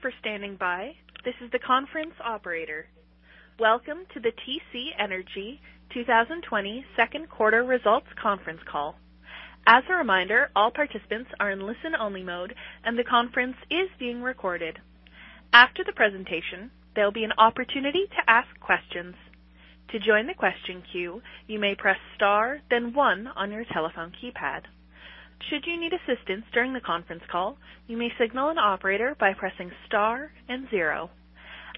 For standing by. This is the conference operator. Welcome to the TC Energy 2020 second quarter results conference call. As a reminder, all participants are in listen-only mode and the conference is being recorded. After the presentation, there'll be an opportunity to ask questions. To join the question queue, you may press star then one on your telephone keypad. Should you need assistance during the conference call, you may signal an operator by pressing star and zero.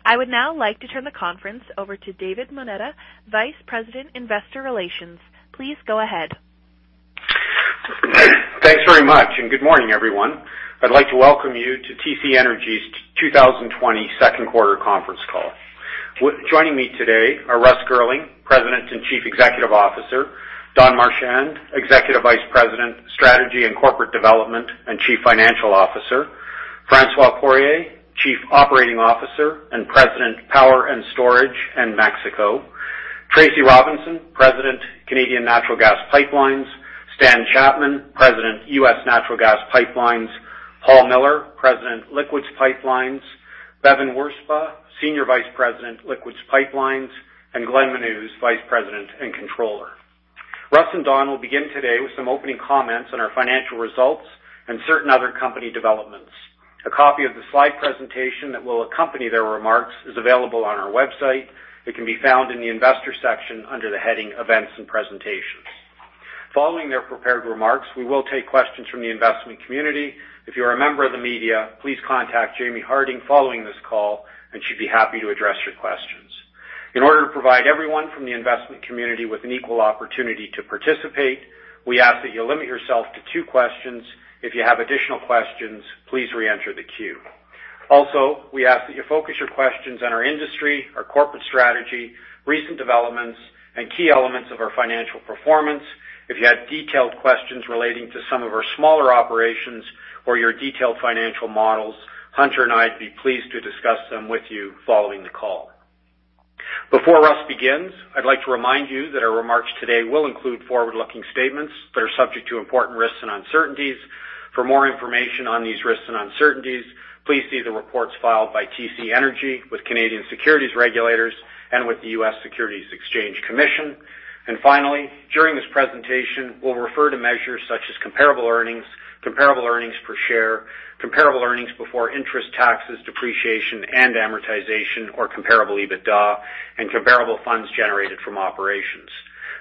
I would now like to turn the conference over to David Moneta, Vice President, Investor Relations. Please go ahead. Thanks very much, and good morning, everyone. I'd like to welcome you to TC Energy's 2020 second quarter conference call. Joining me today are Russ Girling, President and Chief Executive Officer. Don Marchand, Executive Vice President, Strategy and Corporate Development, and Chief Financial Officer. François Poirier, Chief Operating Officer and President, Power and Storage and Mexico. Tracy Robinson, President, Canadian Natural Gas Pipelines. Stan Chapman, President, U.S. Natural Gas Pipelines. Paul Miller, President, Liquids Pipelines. Bevin Wirzba, Senior Vice President, Liquids Pipelines. Glenn Menuz, Vice President and Controller. Russ and Don will begin today with some opening comments on our financial results and certain other company developments. A copy of the slide presentation that will accompany their remarks is available on our website. It can be found in the investor section under the heading Events and Presentations. Following their prepared remarks, we will take questions from the investment community. If you're a member of the media, please contact Jaimie Harding following this call, and she'd be happy to address your questions. In order to provide everyone from the investment community with an equal opportunity to participate, we ask that you limit yourself to two questions. If you have additional questions, please re-enter the queue. We ask that you focus your questions on our industry, our corporate strategy, recent developments, and key elements of our financial performance. If you have detailed questions relating to some of our smaller operations or your detailed financial models, Hunter and I'd be pleased to discuss them with you following the call. Before Russ begins, I'd like to remind you that our remarks today will include forward-looking statements that are subject to important risks and uncertainties. For more information on these risks and uncertainties, please see the reports filed by TC Energy with Canadian securities regulators and with the U.S. Securities and Exchange Commission. Finally, during this presentation, we'll refer to measures such as comparable earnings, comparable earnings per share, comparable earnings before interest, taxes, depreciation, and amortization, or comparable EBITDA, and comparable funds generated from operations.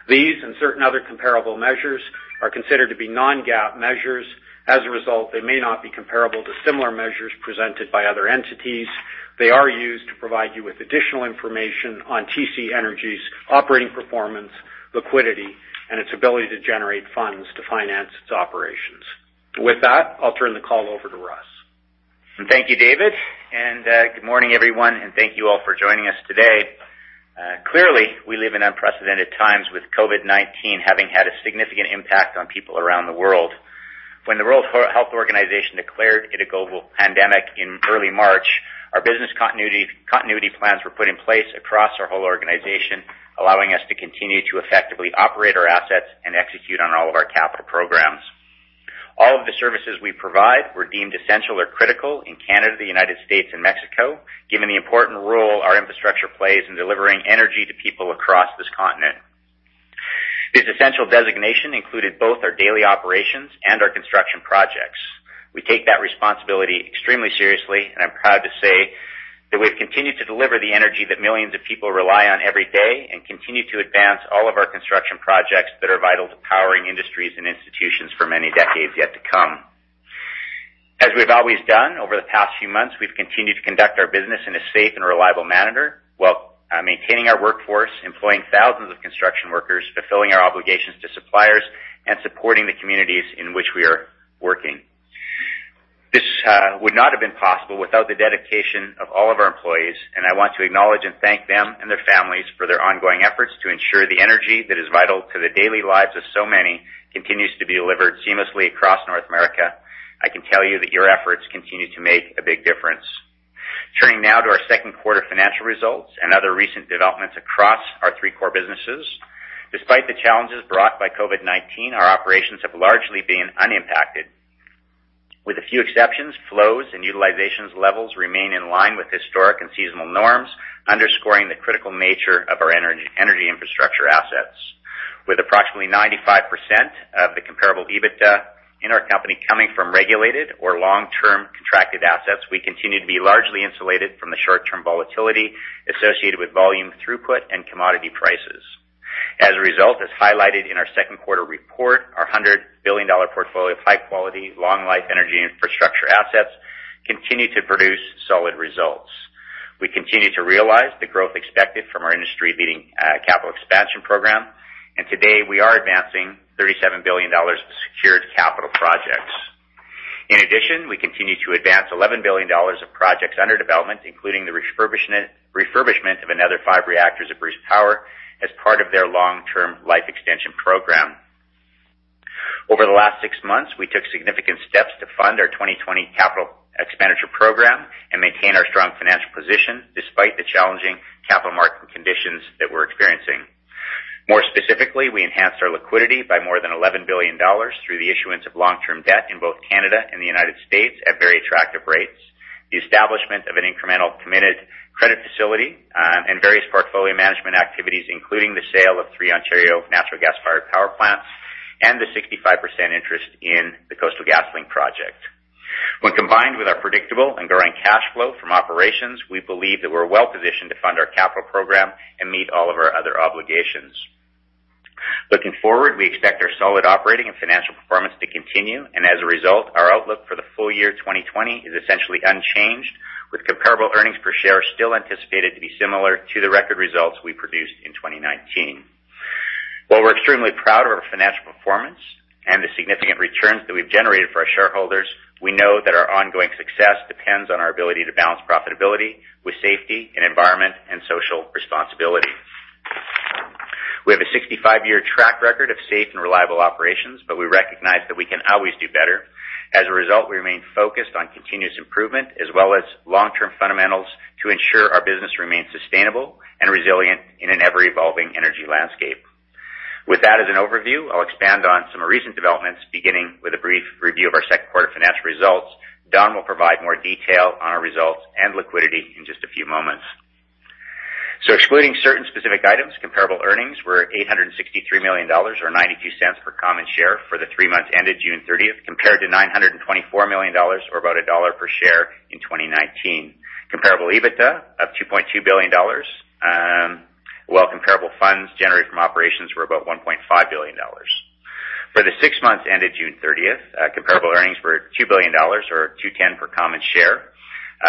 These and certain other comparable measures are considered to be non-GAAP measures. As a result, they may not be comparable to similar measures presented by other entities. They are used to provide you with additional information on TC Energy's operating performance, liquidity, and its ability to generate funds to finance its operations. With that, I'll turn the call over to Russ. Thank you, David. Good morning, everyone. Thank you all for joining us today. Clearly, we live in unprecedented times with COVID-19 having had a significant impact on people around the world. When the World Health Organization declared it a global pandemic in early March, our business continuity plans were put in place across our whole organization, allowing us to continue to effectively operate our assets and execute on all of our capital programs. All of the services we provide were deemed essential or critical in Canada, the United States, and Mexico, given the important role our infrastructure plays in delivering energy to people across this continent. This essential designation included both our daily operations and our construction projects. We take that responsibility extremely seriously. I'm proud to say that we've continued to deliver the energy that millions of people rely on every day and continue to advance all of our construction projects that are vital to powering industries and institutions for many decades yet to come. As we've always done over the past few months, we've continued to conduct our business in a safe and reliable manner while maintaining our workforce, employing thousands of construction workers, fulfilling our obligations to suppliers, and supporting the communities in which we are working. This would not have been possible without the dedication of all of our employees. I want to acknowledge and thank them and their families for their ongoing efforts to ensure the energy that is vital to the daily lives of so many continues to be delivered seamlessly across North America. I can tell you that your efforts continue to make a big difference. Turning now to our second-quarter financial results and other recent developments across our three core businesses. Despite the challenges brought by COVID-19, our operations have largely been unimpacted. With a few exceptions, flows and utilizations levels remain in line with historic and seasonal norms, underscoring the critical nature of our energy infrastructure assets. With approximately 95% of the comparable EBITDA in our company coming from regulated or long-term contracted assets, we continue to be largely insulated from the short-term volatility associated with volume throughput and commodity prices. As a result, as highlighted in our second-quarter report, our 100 billion dollar portfolio of high-quality, long-life energy infrastructure assets continued to produce solid results. We continue to realize the growth expected from our industry-leading capital expansion program. To date, we are advancing 37 billion dollars of secured capital projects. In addition, we continue to advance 11 billion dollars of projects under development, including the refurbishment of another five reactors at Bruce Power as part of their long-term life extension program. Over the last six months, we took significant steps to fund our 2020 capital expenditure program and maintain our strong financial position despite the challenging. More specifically, we enhanced our liquidity by more than CAD 11 billion through the issuance of long-term debt in both Canada and the U.S. at very attractive rates. The establishment of an incremental committed credit facility, and various portfolio management activities, including the sale of three Ontario natural gas-fired power plants, and the 65% interest in the Coastal GasLink project. When combined with our predictable and growing cash flow from operations, we believe that we're well-positioned to fund our capital program and meet all of our other obligations. Looking forward, we expect our solid operating and financial performance to continue. As a result, our outlook for the full year 2020 is essentially unchanged, with comparable earnings per share still anticipated to be similar to the record results we produced in 2019. While we're extremely proud of our financial performance and the significant returns that we've generated for our shareholders, we know that our ongoing success depends on our ability to balance profitability with safety and environment and social responsibility. We have a 65-year track record of safe and reliable operations, but we recognize that we can always do better. As a result, we remain focused on continuous improvement as well as long-term fundamentals to ensure our business remains sustainable and resilient in an ever-evolving energy landscape. With that as an overview, I'll expand on some recent developments, beginning with a brief review of our second quarter financial results. Don will provide more detail on our results and liquidity in just a few moments. Excluding certain specific items, comparable earnings were 863 million dollars, or 0.92 per common share for the three months ended June 30th, compared to 924 million dollars, or about CAD 1 per share in 2019. Comparable EBITDA of 2.2 billion dollars, while comparable funds generated from operations were about 1.5 billion dollars. For the six months ended June 30th, comparable earnings were 2 billion dollars, or 2.10 per common share,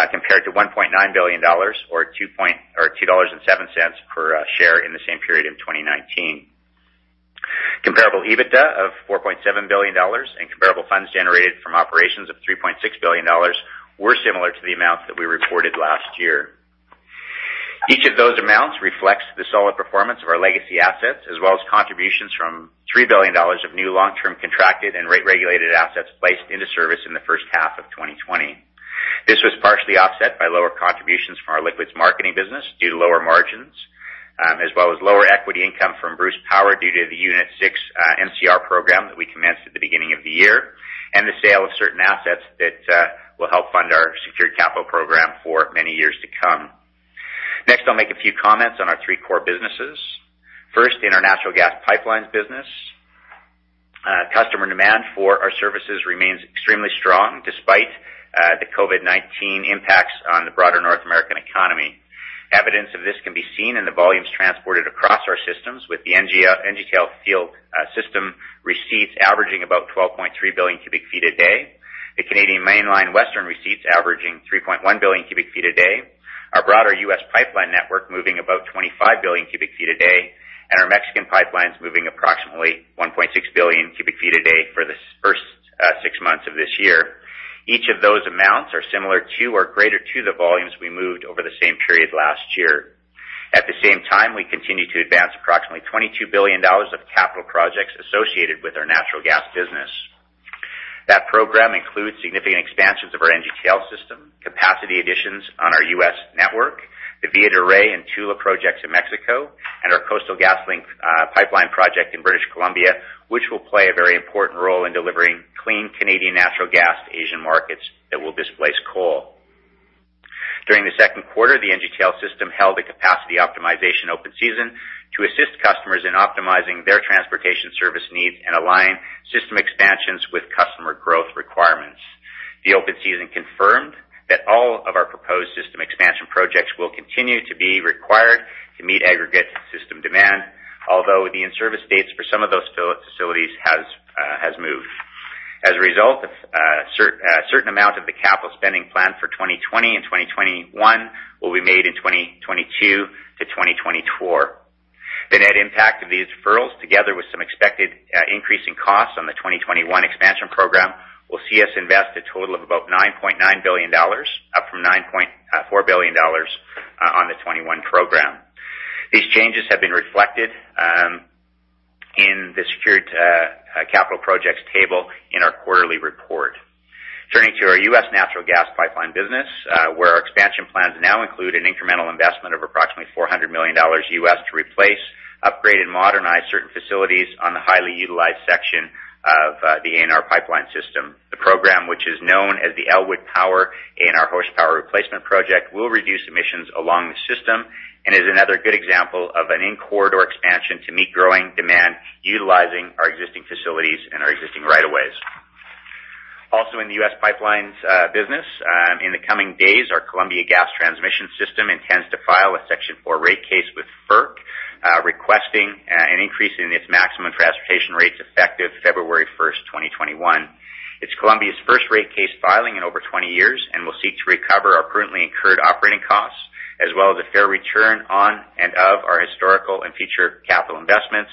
compared to 1.9 billion dollars or 2.07 dollars per share in the same period in 2019. Comparable EBITDA of 4.7 billion dollars and comparable funds generated from operations of 3.6 billion dollars were similar to the amounts that we reported last year. Each of those amounts reflects the solid performance of our legacy assets, as well as contributions from 3 billion dollars of new long-term contracted and rate-regulated assets placed into service in the first half of 2020. This was partially offset by lower contributions from our liquids marketing business due to lower margins, as well as lower equity income from Bruce Power due to the Unit 6 MCR program that we commenced at the beginning of the year, and the sale of certain assets that will help fund our secured capital program for many years to come. Next, I'll make a few comments on our three core businesses. First, in our natural gas pipelines business, customer demand for our services remains extremely strong despite the COVID-19 impacts on the broader North American economy. Evidence of this can be seen in the volumes transported across our systems with the NGTL system receipts averaging about 12.3 billion cubic feet a day, the Canadian Mainline Western receipts averaging 3.1 billion cubic feet a day, our broader U.S. pipeline network moving about 25 billion cubic feet a day, and our Mexican pipelines moving approximately 1.6 billion cubic feet a day for the first six months of this year. Each of those amounts are similar to or greater to the volumes we moved over the same period last year. At the same time, we continue to advance approximately 22 billion dollars of capital projects associated with our natural gas business. That program includes significant expansions of our NGTL System, capacity additions on our U.S. network, the Villa de Reyes and Tula projects in Mexico, and our Coastal GasLink pipeline project in British Columbia, which will play a very important role in delivering clean Canadian natural gas to Asian markets that will displace coal. During the second quarter, the NGTL System held a capacity optimization open season to assist customers in optimizing their transportation service needs and align system expansions with customer growth requirements. The open season confirmed that all of our proposed system expansion projects will continue to be required to meet aggregate system demand, although the in-service dates for some of those facilities has moved. As a result, a certain amount of the capital spending plan for 2020 and 2021 will be made in 2022 to 2024. The net impact of these deferrals, together with some expected increase in costs on the 2021 expansion program, will see us invest a total of about 9.9 billion dollars, up from 9.4 billion dollars on the 2021 program. These changes have been reflected in the secured capital projects table in our quarterly report. Turning to our U.S. natural gas pipeline business, where our expansion plans now include an incremental investment of approximately $400 million to replace, upgrade, and modernize certain facilities on the highly utilized section of the ANR Pipeline system. The program, which is known as the Elwood Power ANR Horsepower Replacement Project, will reduce emissions along the system and is another good example of an in-corridor expansion to meet growing demand utilizing our existing facilities and our existing right of ways. In the U.S. pipelines business, in the coming days, our Columbia Gas Transmission system intends to file a Section 4 rate case with FERC, requesting an increase in its maximum transportation rates effective February 1st, 2021. It's Columbia's first rate case filing in over 20 years and will seek to recover our currently incurred operating costs, as well as a fair return on and of our historical and future capital investments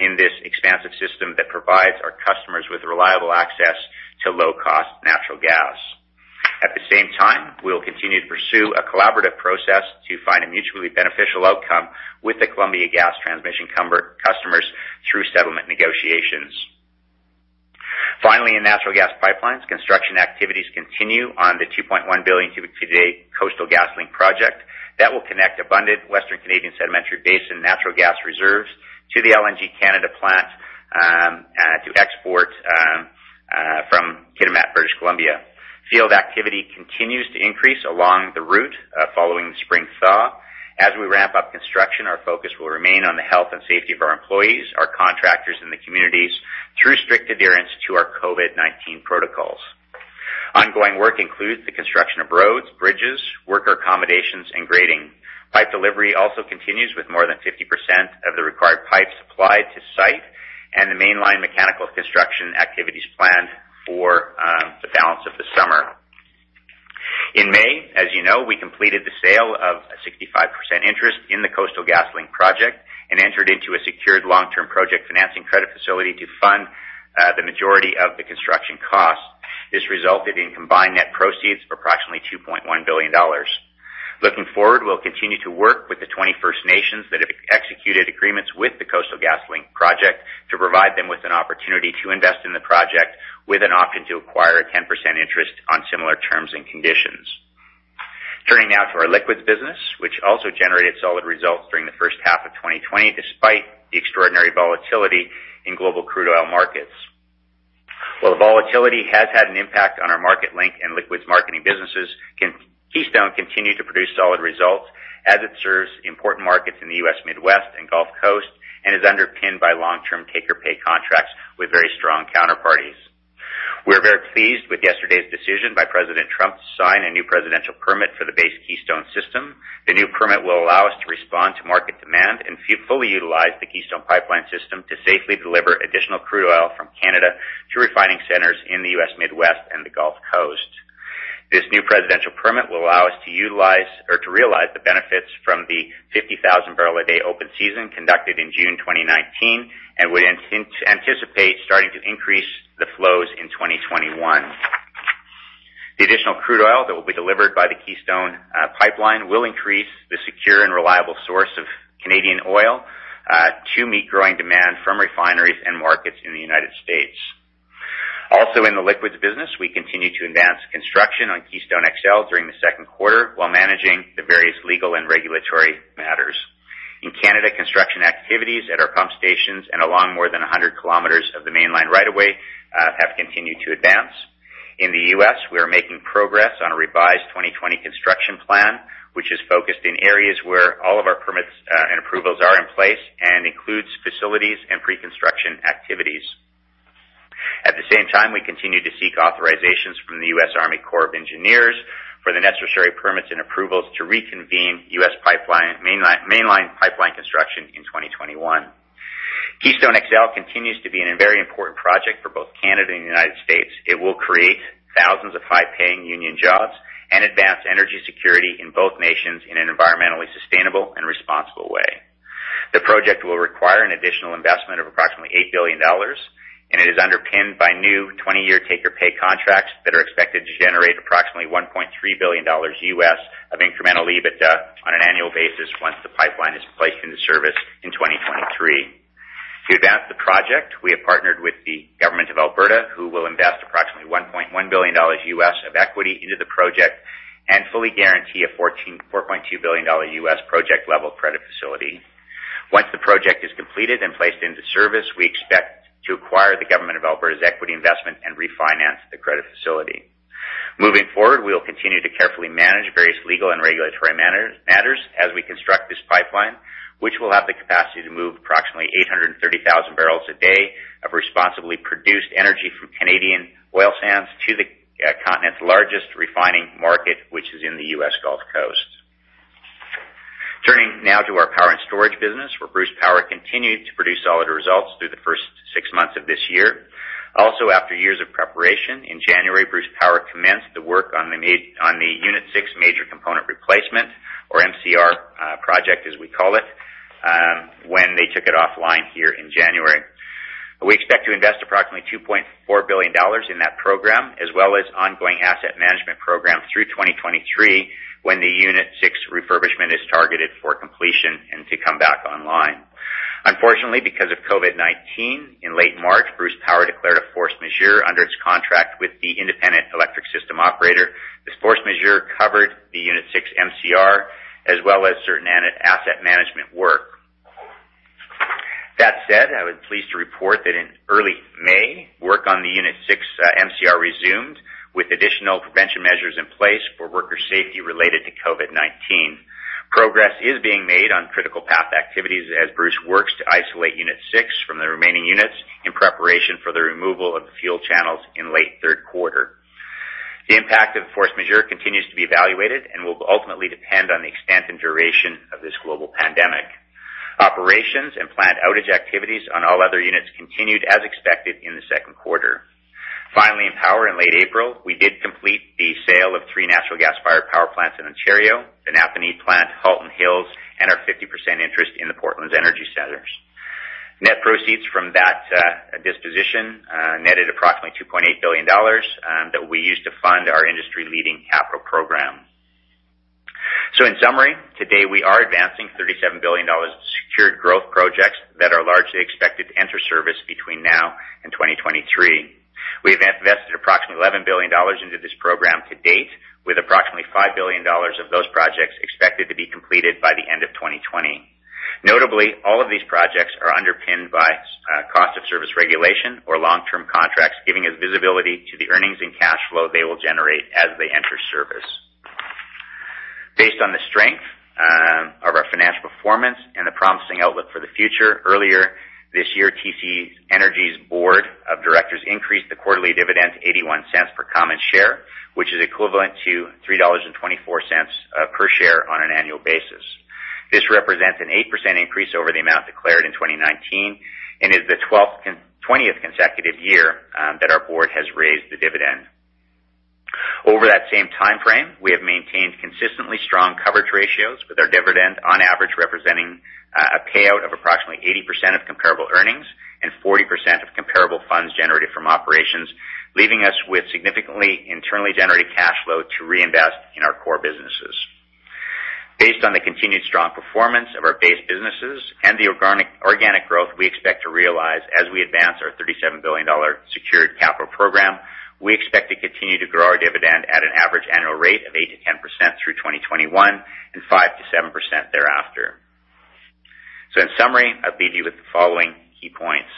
in this expansive system that provides our customers with reliable access to low-cost natural gas. At the same time, we will continue to pursue a collaborative process to find a mutually beneficial outcome with the Columbia Gas Transmission customers through settlement negotiations. Canadian natural gas pipelines construction activities continue on the 2.1 billion cubic feet a day Coastal GasLink project that will connect abundant Western Canadian Sedimentary Basin natural gas reserves to the LNG Canada plant to export from Kitimat, British Columbia. Field activity continues to increase along the route following the spring thaw. As we ramp up construction, our focus will remain on the health and safety of our employees, our contractors in the communities through strict adherence to our COVID-19 protocols. Ongoing work includes the construction of roads, bridges, worker accommodations, and grading. Pipe delivery also continues with more than 50% of the required pipes supplied to site and the mainline mechanical construction activities planned for the balance of the summer. In May, as you know, we completed the sale of a 65% interest in the Coastal GasLink project and entered into a secured long-term project financing credit facility to fund the majority of the construction costs. This resulted in combined net proceeds of approximately 2.1 billion dollars. Looking forward, we'll continue to work with the First Nations that have executed agreements with the Coastal GasLink project to provide them with an opportunity to invest in the project with an option to acquire a 10% interest on similar terms and conditions. Turning now to our liquids business, which also generated solid results during the first half of 2020, despite the extraordinary volatility in global crude oil markets. While the volatility has had an impact on our Marketlink and liquids marketing businesses, Keystone continued to produce solid results as it serves important markets in the U.S. Midwest and Gulf Coast and is underpinned by long-term take-or-pay contracts with very strong counterparties. We're very pleased with yesterday's decision by President Trump to sign a new presidential permit for the base Keystone system. The new permit will allow us to respond to market demand and fully utilize the Keystone Pipeline System to safely deliver additional crude oil from Canada to refining centers in the U.S. Midwest and the Gulf Coast. This new presidential permit will allow us to realize the benefits from the 50,000 barrel a day open season conducted in June 2019 and would anticipate starting to increase the flows in 2021. The additional crude oil that will be delivered by the Keystone Pipeline will increase the secure and reliable source of Canadian oil to meet growing demand from refineries and markets in the United States. Also in the liquids business, we continued to advance construction on Keystone XL during the second quarter while managing the various legal and regulatory matters. In Canada, construction activities at our pump stations and along more than 100 km of the mainline right of away have continued to advance. In the U.S., we are making progress on a revised 2020 construction plan, which is focused in areas where all of our permits and approvals are in place and includes facilities and pre-construction activities. At the same time, we continue to seek authorizations from the U.S. Army Corps of Engineers for the necessary permits and approvals to reconvene U.S. mainline pipeline construction in 2021. Keystone XL continues to be a very important project for both Canada and the United States. It will create thousands of high-paying union jobs and advance energy security in both nations in an environmentally sustainable and responsible way. The project will require an additional investment of approximately $8 billion. It is underpinned by new 20-year take-or-pay contracts that are expected to generate approximately $1.3 billion of incremental EBITDA on an annual basis once the pipeline is placed into service in 2023. To advance the project, we have partnered with the government of Alberta, who will invest approximately $1.1 billion of equity into the project and fully guarantee a $4.2 billion project level credit facility. Once the project is completed and placed into service, we expect to acquire the government of Alberta's equity investment and refinance the credit facility. Moving forward, we will continue to carefully manage various legal and regulatory matters as we construct this pipeline, which will have the capacity to move approximately 830,000 barrels a day of responsibly produced energy from Canadian oil sands to the continent's largest refining market, which is in the U.S. Gulf Coast. Turning now to our power and storage business, where Bruce Power continued to produce solid results through the first six months of this year. Also after years of preparation, in January, Bruce Power commenced the work on the unit 6 Major Component Replacement or MCR Project, as we call it, when they took it offline here in January. We expect to invest approximately 2.4 billion dollars in that program, as well as ongoing asset management program through 2023, when the unit 6 refurbishment is targeted for completion and to come back online. Unfortunately, because of COVID-19, in late March, Bruce Power declared a force majeure under its contract with the Independent Electricity System Operator. This force majeure covered the unit six MCR, as well as certain asset management work. That said, I was pleased to report that in early May, work on the unit six MCR resumed with additional prevention measures in place for worker safety related to COVID-19. Progress is being made on critical path activities as Bruce works to isolate unit six from the remaining units in preparation for the removal of the fuel channels in late third quarter. The impact of force majeure continues to be evaluated and will ultimately depend on the extent and duration of this global pandemic. Operations and plant outage activities on all other units continued as expected in the second quarter. Finally, in power in late April, we did complete the sale of three natural gas-fired power plants in Ontario, the Napanee plant, Halton Hills, and our 50% interest in the Portlands Energy Centre. Net proceeds from that disposition netted approximately 2.8 billion dollars that we used to fund our industry-leading capital program. In summary, today we are advancing 37 billion dollars secured growth projects that are large to expect end of service between now and 2023. We have invested approximately 11 billion dollars into this program to date, with approximately 5 billion dollars of those projects expected to be completed by the end of 2020. Notably, all of these projects are underpinned by cost of service regulation or long-term contracts, giving us visibility to the earnings and cash flow they will generate as they enter service. Based on the strength of our financial performance and the promising outlook for the future, earlier this year, TC Energy's board of directors increased the quarterly dividend to 0.81 per common share, which is equivalent to 3.24 dollars per share on an annual basis. This represents an 8% increase over the amount declared in 2019, and is the 20th consecutive year that our board has raised the dividend. Over that same timeframe, we have maintained consistently strong coverage ratios with our dividend, on average, representing a payout of approximately 80% of comparable earnings and 40% of comparable funds generated from operations, leaving us with significantly internally generated cash flow to reinvest in our core businesses. Based on the continued strong performance of our base businesses and the organic growth we expect to realize as we advance our 37 billion dollar secured capital program, we expect to continue to grow our dividend at an average annual rate of 8%-10% through 2021, and 5%-7% thereafter. In summary, I'll leave you with the following key points.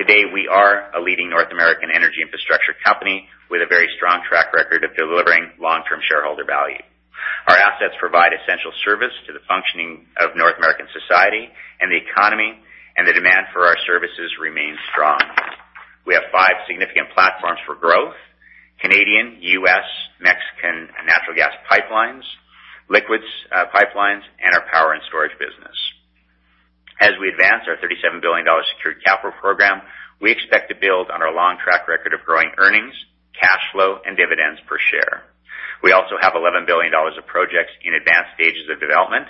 Today, we are a leading North American energy infrastructure company with a very strong track record of delivering long-term shareholder value. Our assets provide essential service to the functioning of North American society and the economy, and the demand for our services remains strong. We have five significant platforms for growth. Canadian, U.S., Mexican natural gas pipelines, liquids pipelines, and our power and storage business. As we advance our 37 billion dollars secured capital program, we expect to build on our long track record of growing earnings, cash flow, and dividends per share. We also have 11 billion dollars of projects in advanced stages of development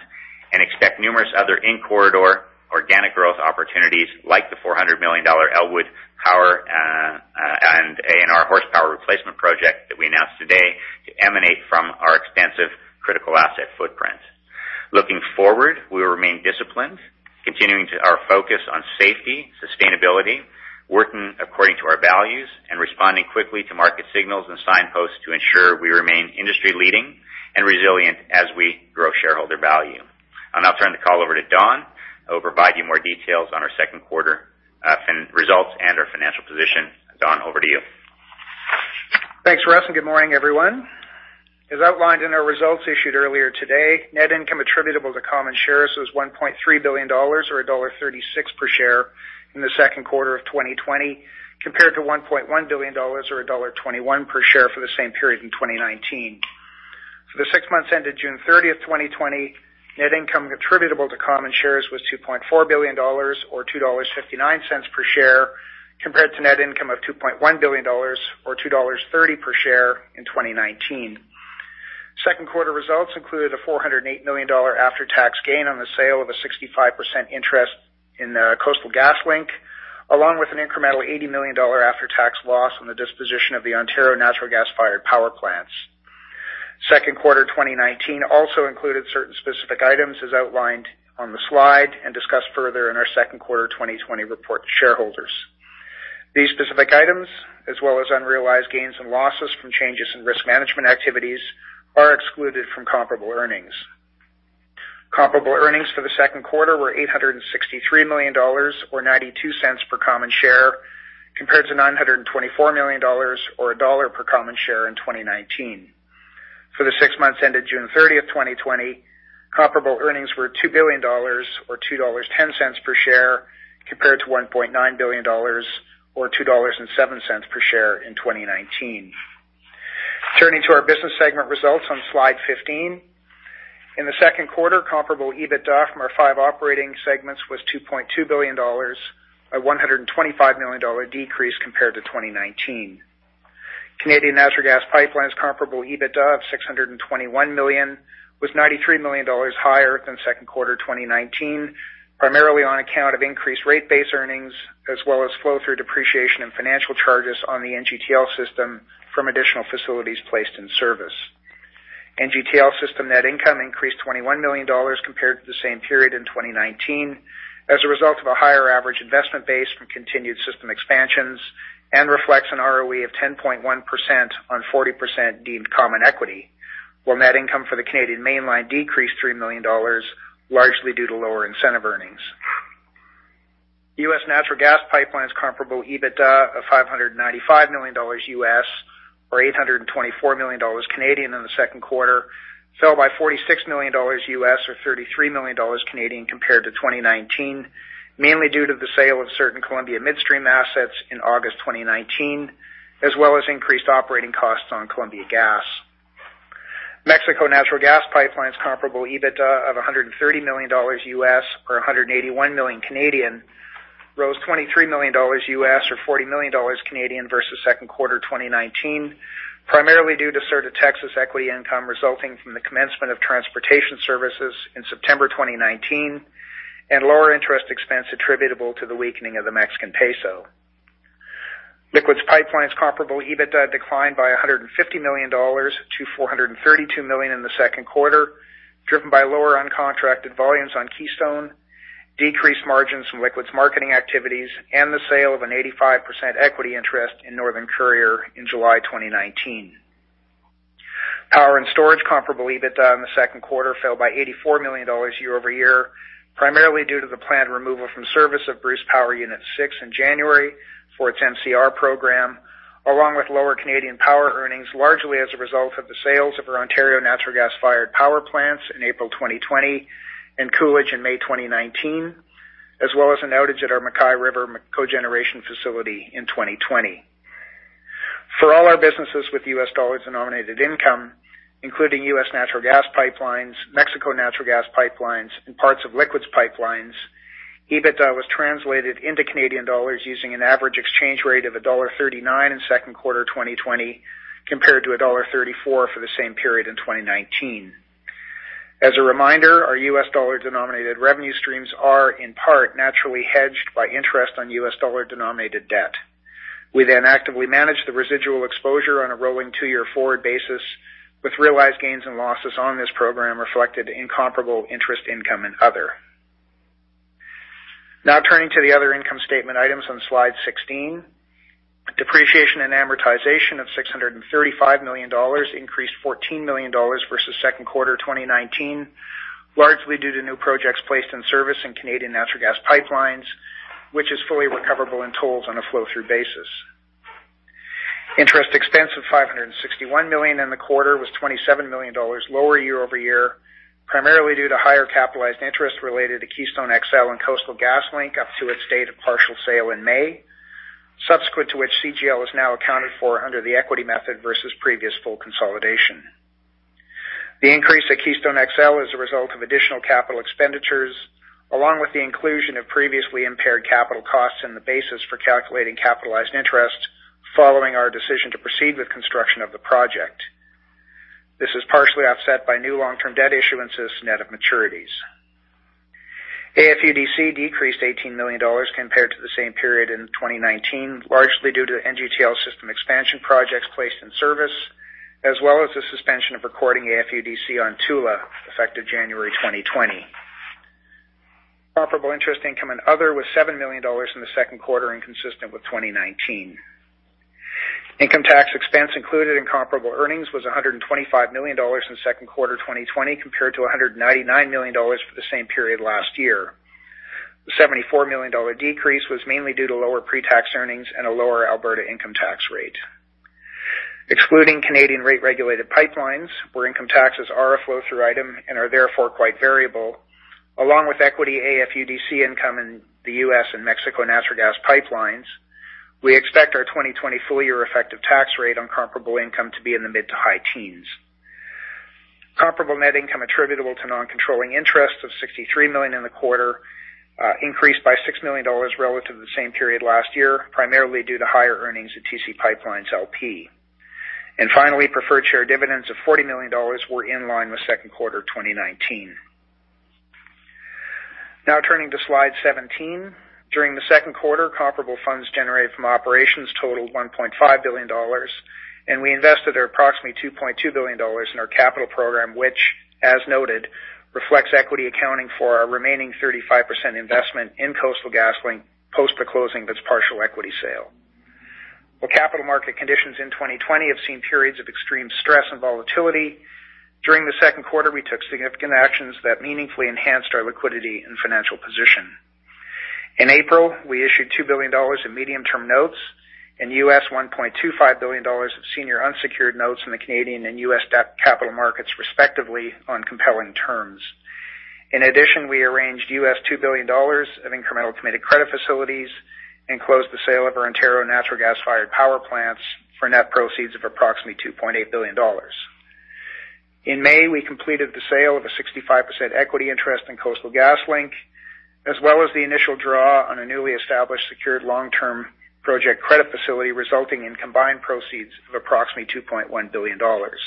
and expect numerous other in-corridor organic growth opportunities, like the $400 million US Elwood Power/ANR Horsepower Replacement Project that we announced today, to emanate from our expansive critical asset footprint. Looking forward, we will remain disciplined, continuing our focus on safety, sustainability, working according to our values, and responding quickly to market signals and signposts to ensure we remain industry-leading and resilient as we grow shareholder value. I'll now turn the call over to Don, who will provide you more details on our second quarter results and our financial position. Don, over to you. Thanks, Russ, and good morning, everyone. As outlined in our results issued earlier today, net income attributable to common shares was 1.3 billion dollars, or dollar 1.36 per share in the second quarter of 2020, compared to 1.1 billion dollars or dollar 1.21 per share for the same period in 2019. For the six months ended June 30th, 2020, net income attributable to common shares was 2.4 billion dollars or 2.59 dollars per share, compared to net income of 2.1 billion dollars or 2.30 dollars per share in 2019. Second quarter results included a 408 million dollar after-tax gain on the sale of a 65% interest in the Coastal GasLink, along with an incremental CAD 80 million after-tax loss on the disposition of the Ontario natural gas-fired power plants. Second quarter 2019 also included certain specific items as outlined on the slide and discussed further in our second quarter 2020 report to shareholders. These specific items, as well as unrealized gains and losses from changes in risk management activities, are excluded from comparable earnings. Comparable earnings for the second quarter were 863 million dollars, or 0.92 per common share, compared to 924 million dollars or CAD 1.00 per common share in 2019. For the six months ended June 30, 2020, comparable earnings were 2 billion dollars or 2.10 dollars per share, compared to 1.9 billion dollars or 2.07 dollars per share in 2019. Turning to our business segment results on slide 15. In the second quarter, comparable EBITDA from our five operating segments was 2.2 billion dollars, a 125 million dollar decrease compared to 2019. Canadian Natural Gas Pipelines comparable EBITDA of 621 million was 93 million dollars higher than second quarter 2019, primarily on account of increased rate base earnings as well as flow-through depreciation and financial charges on the NGTL System from additional facilities placed in service. NGTL System net income increased 21 million dollars compared to the same period in 2019 as a result of a higher average investment base from continued system expansions and reflects an ROE of 10.1% on 40% deemed common equity, while net income for the Canadian Mainline decreased 3 million dollars, largely due to lower incentive earnings. U.S. natural gas pipelines comparable EBITDA of $595 million, or 824 million Canadian dollars in the second quarter, fell by $46 million, or 33 million Canadian dollars compared to 2019, mainly due to the sale of certain Columbia Midstream assets in August 2019, as well as increased operating costs on Columbia Gas. Mexico natural gas pipelines comparable EBITDA of $130 million, or 181 million Canadian dollars, rose $23 million, or 40 million Canadian dollars versus second quarter 2019, primarily due to Sur de Texas equity income resulting from the commencement of transportation services in September 2019 and lower interest expense attributable to the weakening of the Mexican peso. Liquids pipelines comparable EBITDA declined by 150 million dollars to 432 million in the second quarter, driven by lower uncontracted volumes on Keystone, decreased margins from liquids marketing activities, and the sale of an 85% equity interest in Northern Courier in July 2019. Power and storage comparable EBITDA in the second quarter fell by 84 million dollars year-over-year, primarily due to the planned removal from service of Bruce Power Unit 6 in January for its MCR program, along with lower Canadian power earnings, largely as a result of the sales of our Ontario natural gas-fired power plants in April 2020 and Coolidge in May 2019, as well as an outage at our MacKay River cogeneration facility in 2020. For all our businesses with U.S. dollar-denominated income, including U.S. natural gas pipelines, Mexico natural gas pipelines, and parts of liquids pipelines, EBITDA was translated into Canadian dollars using an average exchange rate of dollar 1.39 in Q2 2020, compared to dollar 1.34 for the same period in 2019. As a reminder, our U.S. dollar-denominated revenue streams are, in part, naturally hedged by interest on U.S. dollar-denominated debt. We actively manage the residual exposure on a rolling two-year forward basis with realized gains and losses on this program reflected in comparable interest income and other. Turning to the other income statement items on slide 16. Depreciation and amortization of 635 million dollars, increased 14 million dollars versus Q2 2019, largely due to new projects placed in service in Canadian Natural Gas Pipelines, which is fully recoverable in tolls on a flow-through basis. Interest expense of 561 million in the quarter was 27 million dollars lower year-over-year, primarily due to higher capitalized interest related to Keystone XL and Coastal GasLink up to its date of partial sale in May, subsequent to which CGL is now accounted for under the equity method versus previous full consolidation. The increase at Keystone XL is a result of additional capital expenditures, along with the inclusion of previously impaired capital costs and the basis for calculating capitalized interest following our decision to proceed with construction of the project. This is partially offset by new long-term debt issuances net of maturities. AFUDC decreased 18 million dollars compared to the same period in 2019, largely due to NGTL system expansion projects placed in service, as well as the suspension of recording AFUDC on Tula, effective January 2020. Comparable interest income and other was 7 million dollars in the second quarter, inconsistent with 2019. Income tax expense included in comparable earnings was 125 million dollars in Q2 2020, compared to 199 million dollars for the same period last year. The 74 million dollar decrease was mainly due to lower pre-tax earnings and a lower Alberta income tax rate. Excluding Canadian rate-regulated pipelines, where income taxes are a flow-through item and are therefore quite variable, along with equity AFUDC income in the U.S. and Mexico natural gas pipelines, we expect our 2020 full-year effective tax rate on comparable income to be in the mid to high teens. Comparable net income attributable to non-controlling interests of 63 million in the quarter increased by 6 million dollars relative to the same period last year, primarily due to higher earnings at TC PipeLines, LP. Finally, preferred share dividends of 40 million dollars were in line with Q2 2019. Now turning to slide 17. During the second quarter, comparable funds generated from operations totaled 1.5 billion dollars, and we invested approximately 2.2 billion dollars in our capital program, which, as noted, reflects equity accounting for our remaining 35% investment in Coastal GasLink post the closing of its partial equity sale. While capital market conditions in 2020 have seen periods of extreme stress and volatility, during the second quarter, we took significant actions that meaningfully enhanced our liquidity and financial position. In April, we issued 2 billion dollars in medium-term notes in the U.S., 1.25 billion dollars of senior unsecured notes in the Canadian and U.S. debt capital markets, respectively, on compelling terms. In addition, we arranged 2 billion US dollars of incremental committed credit facilities and closed the sale of our Ontario natural gas-fired power plants for net proceeds of approximately 2.8 billion dollars. In May, we completed the sale of a 65% equity interest in Coastal GasLink, as well as the initial draw on a newly established secured long-term project credit facility, resulting in combined proceeds of approximately 2.1 billion dollars.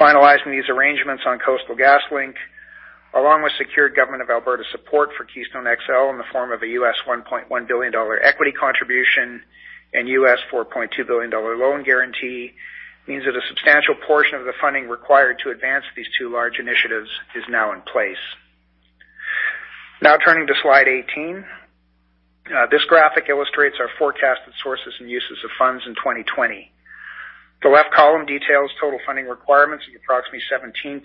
Finalizing these arrangements on Coastal GasLink, along with secured Government of Alberta support for Keystone XL in the form of a $1.1 billion U.S. equity contribution and $4.2 billion U.S. loan guarantee, means that a substantial portion of the funding required to advance these two large initiatives is now in place. Now turning to slide 18. This graphic illustrates our forecasted sources and uses of funds in 2020. The left column details total funding requirements of approximately 17.5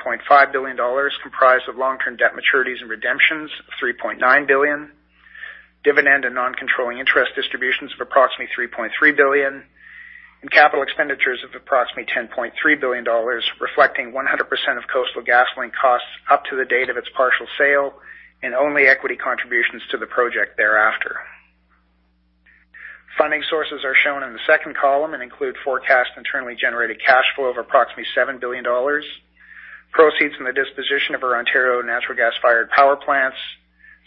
billion dollars, comprised of long-term debt maturities and redemptions of 3.9 billion, dividend and non-controlling interest distributions of approximately 3.3 billion, and capital expenditures of approximately 10.3 billion dollars, reflecting 100% of Coastal GasLink costs up to the date of its partial sale and only equity contributions to the project thereafter. Funding sources are shown in the second column and include forecast internally generated cash flow of approximately 7 billion dollars, proceeds from the disposition of our Ontario natural gas-fired power plants,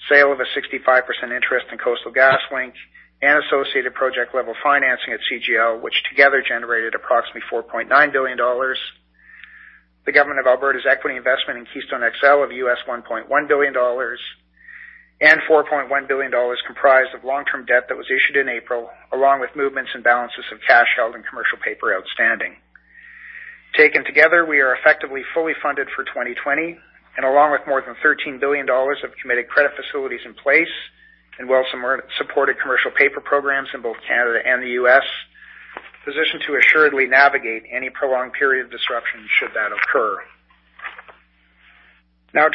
sale of a 65% interest in Coastal GasLink, and associated project-level financing at CGL, which together generated approximately 4.9 billion dollars. The government of Alberta's equity investment in Keystone XL of $1.1 billion and 4.1 billion dollars comprised of long-term debt that was issued in April, along with movements and balances of cash held in commercial paper outstanding. Taken together, we are effectively fully funded for 2020, and along with more than 13 billion dollars of committed credit facilities in place, and well-supported commercial paper programs in both Canada and the U.S., positioned to assuredly navigate any prolonged period of disruption should that occur.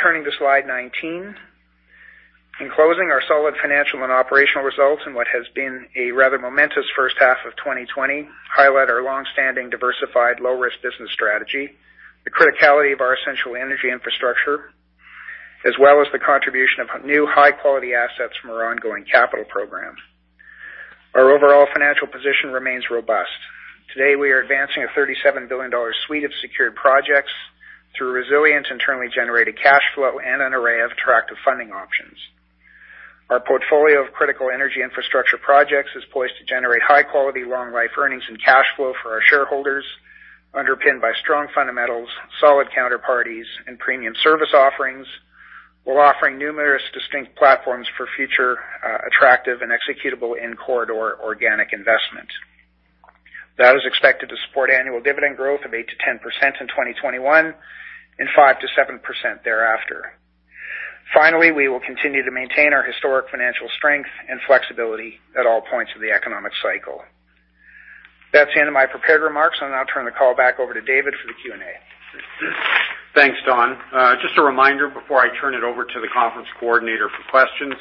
Turning to slide 19. In closing, our solid financial and operational results in what has been a rather momentous first half of 2020 highlight our longstanding diversified low-risk business strategy, the criticality of our essential energy infrastructure, as well as the contribution of new high-quality assets from our ongoing capital program. Our overall financial position remains robust. Today, we are advancing a 37 billion dollar suite of secured projects through resilient internally generated cash flow and an array of attractive funding options. Our portfolio of critical energy infrastructure projects is poised to generate high-quality, long-life earnings and cash flow for our shareholders, underpinned by strong fundamentals, solid counterparties, and premium service offerings, while offering numerous distinct platforms for future attractive and executable in-corridor organic investment. That is expected to support annual dividend growth of 8%-10% in 2021, and 5%-7% thereafter. Finally, we will continue to maintain our historic financial strength and flexibility at all points of the economic cycle. That's the end of my prepared remarks. I'll now turn the call back over to David for the Q&A. Thanks, Don. Just a reminder before I turn it over to the conference coordinator for questions,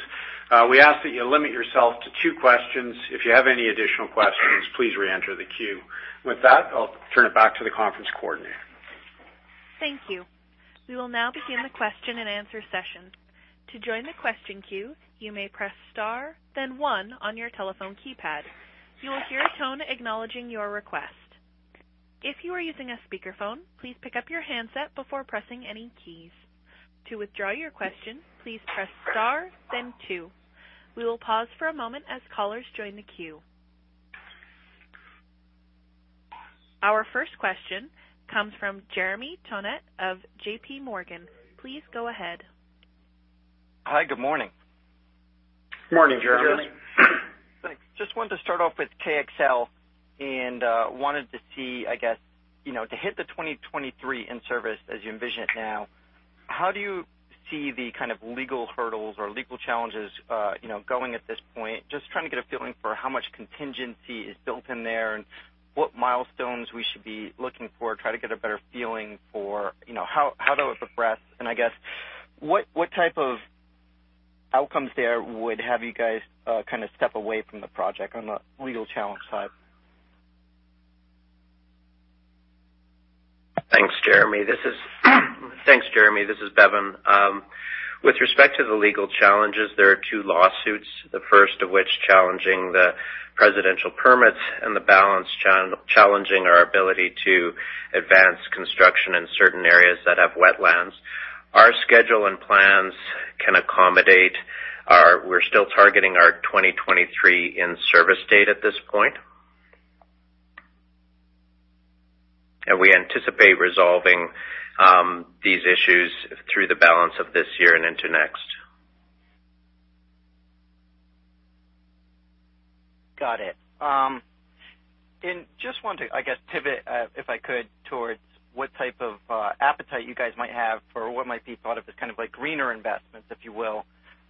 we ask that you limit yourself to two questions. If you have any additional questions, please reenter the queue. With that, I will turn it back to the conference coordinator. Thank you. We will now begin the question and answer session. To join the question queue, you may press star then one on your telephone keypad. You will hear a tone acknowledging your request. If you are using a speakerphone, please pick up your handset before pressing any keys. To withdraw your question, please press star then two. We will pause for a moment as callers join the queue. Our first question comes from Jeremy Tonet of JPMorgan. Please go ahead. Hi. Good morning. Morning, Jeremy. Thanks. Just wanted to start off with KXL and wanted to see, to hit the 2023 in-service as you envision it now, how do you see the kind of legal hurdles or legal challenges going at this point? Just trying to get a feeling for how much contingency is built in there and what milestones we should be looking for, try to get a better feeling for how that would progress, and I guess, what type of outcomes there would have you guys step away from the project on the legal challenge side? Thanks, Jeremy. This is Bevin. With respect to the legal challenges, there are two lawsuits, the first of which challenging the presidential permits and the balance challenging our ability to advance construction in certain areas that have wetlands. Our schedule and plans can accommodate. We're still targeting our 2023 in-service date at this point. We anticipate resolving these issues through the balance of this year and into next. Got it. Just want to pivot, if I could, towards what type of appetite you guys might have for what might be thought of as greener investments, if you will.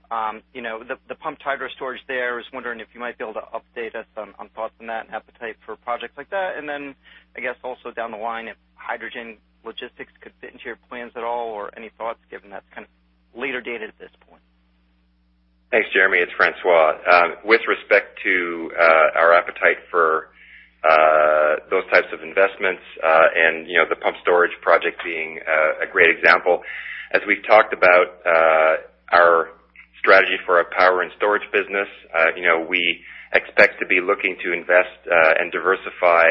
The pumped hydro storage there, I was wondering if you might be able to update us on thoughts on that and appetite for projects like that, and then I guess also down the line if hydrogen logistics could fit into your plans at all or any thoughts given that's later dated at this point. Thanks, Jeremy. It's François. With respect to our appetite for those types of investments, and the pumped storage project being a great example, as we've talked about our strategy for our power and storage business, we expect to be looking to invest and diversify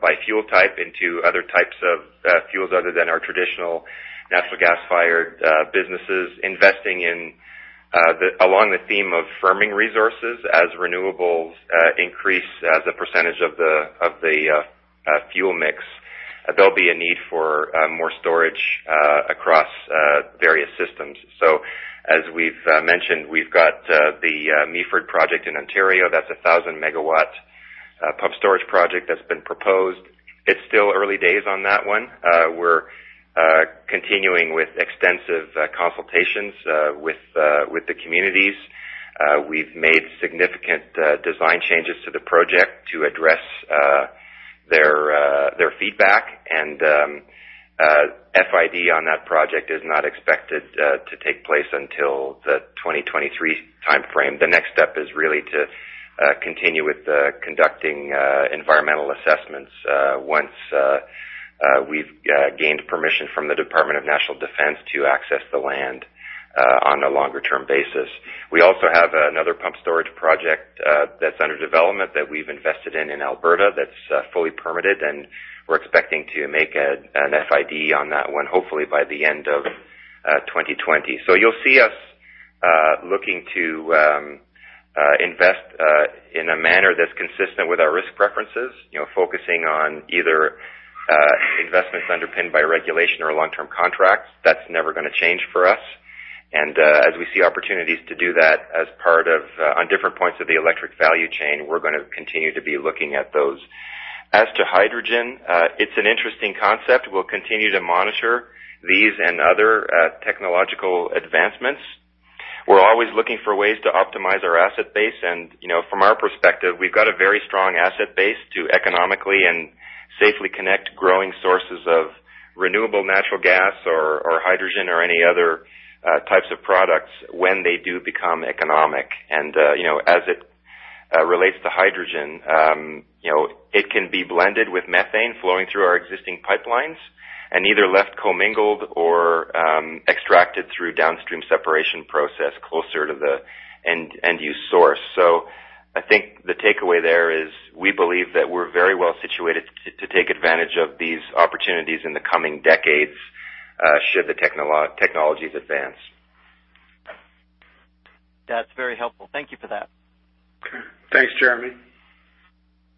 by fuel type into other types of fuels other than our traditional natural gas-fired businesses, investing in along the theme of firming resources as renewables increase as a percentage of the fuel mix. There'll be a need for more storage across various systems. As we've mentioned, we've got the Meaford project in Ontario. That's a 1,000-megawatt pumped storage project that's been proposed. It's still early days on that one. We're continuing with extensive consultations with the communities. We've made significant design changes to the project to address their feedback, and FID on that project is not expected to take place until the 2023 timeframe. The next step is really to continue with conducting environmental assessments once we've gained permission from the Department of National Defence to access the land on a longer-term basis. We also have another pumped storage project that's under development that we've invested in in Alberta that's fully permitted, and we're expecting to make an FID on that one, hopefully by the end of 2020. You'll see us looking to invest in a manner that's consistent with our risk preferences, focusing on either investments underpinned by regulation or long-term contracts. That's never going to change for us. As we see opportunities to do that on different points of the electric value chain, we're going to continue to be looking at those. As to hydrogen, it's an interesting concept. We'll continue to monitor these and other technological advancements. We're always looking for ways to optimize our asset base. From our perspective, we've got a very strong asset base to economically and safely connect growing sources of renewable natural gas or hydrogen or any other types of products when they do become economic. As it relates to hydrogen, it can be blended with methane flowing through our existing pipelines and either left co-mingled or extracted through downstream separation process closer to the end use source. I think the takeaway there is we believe that we're very well situated to take advantage of these opportunities in the coming decades should the technologies advance. That's very helpful. Thank you for that. Okay. Thanks, Jeremy.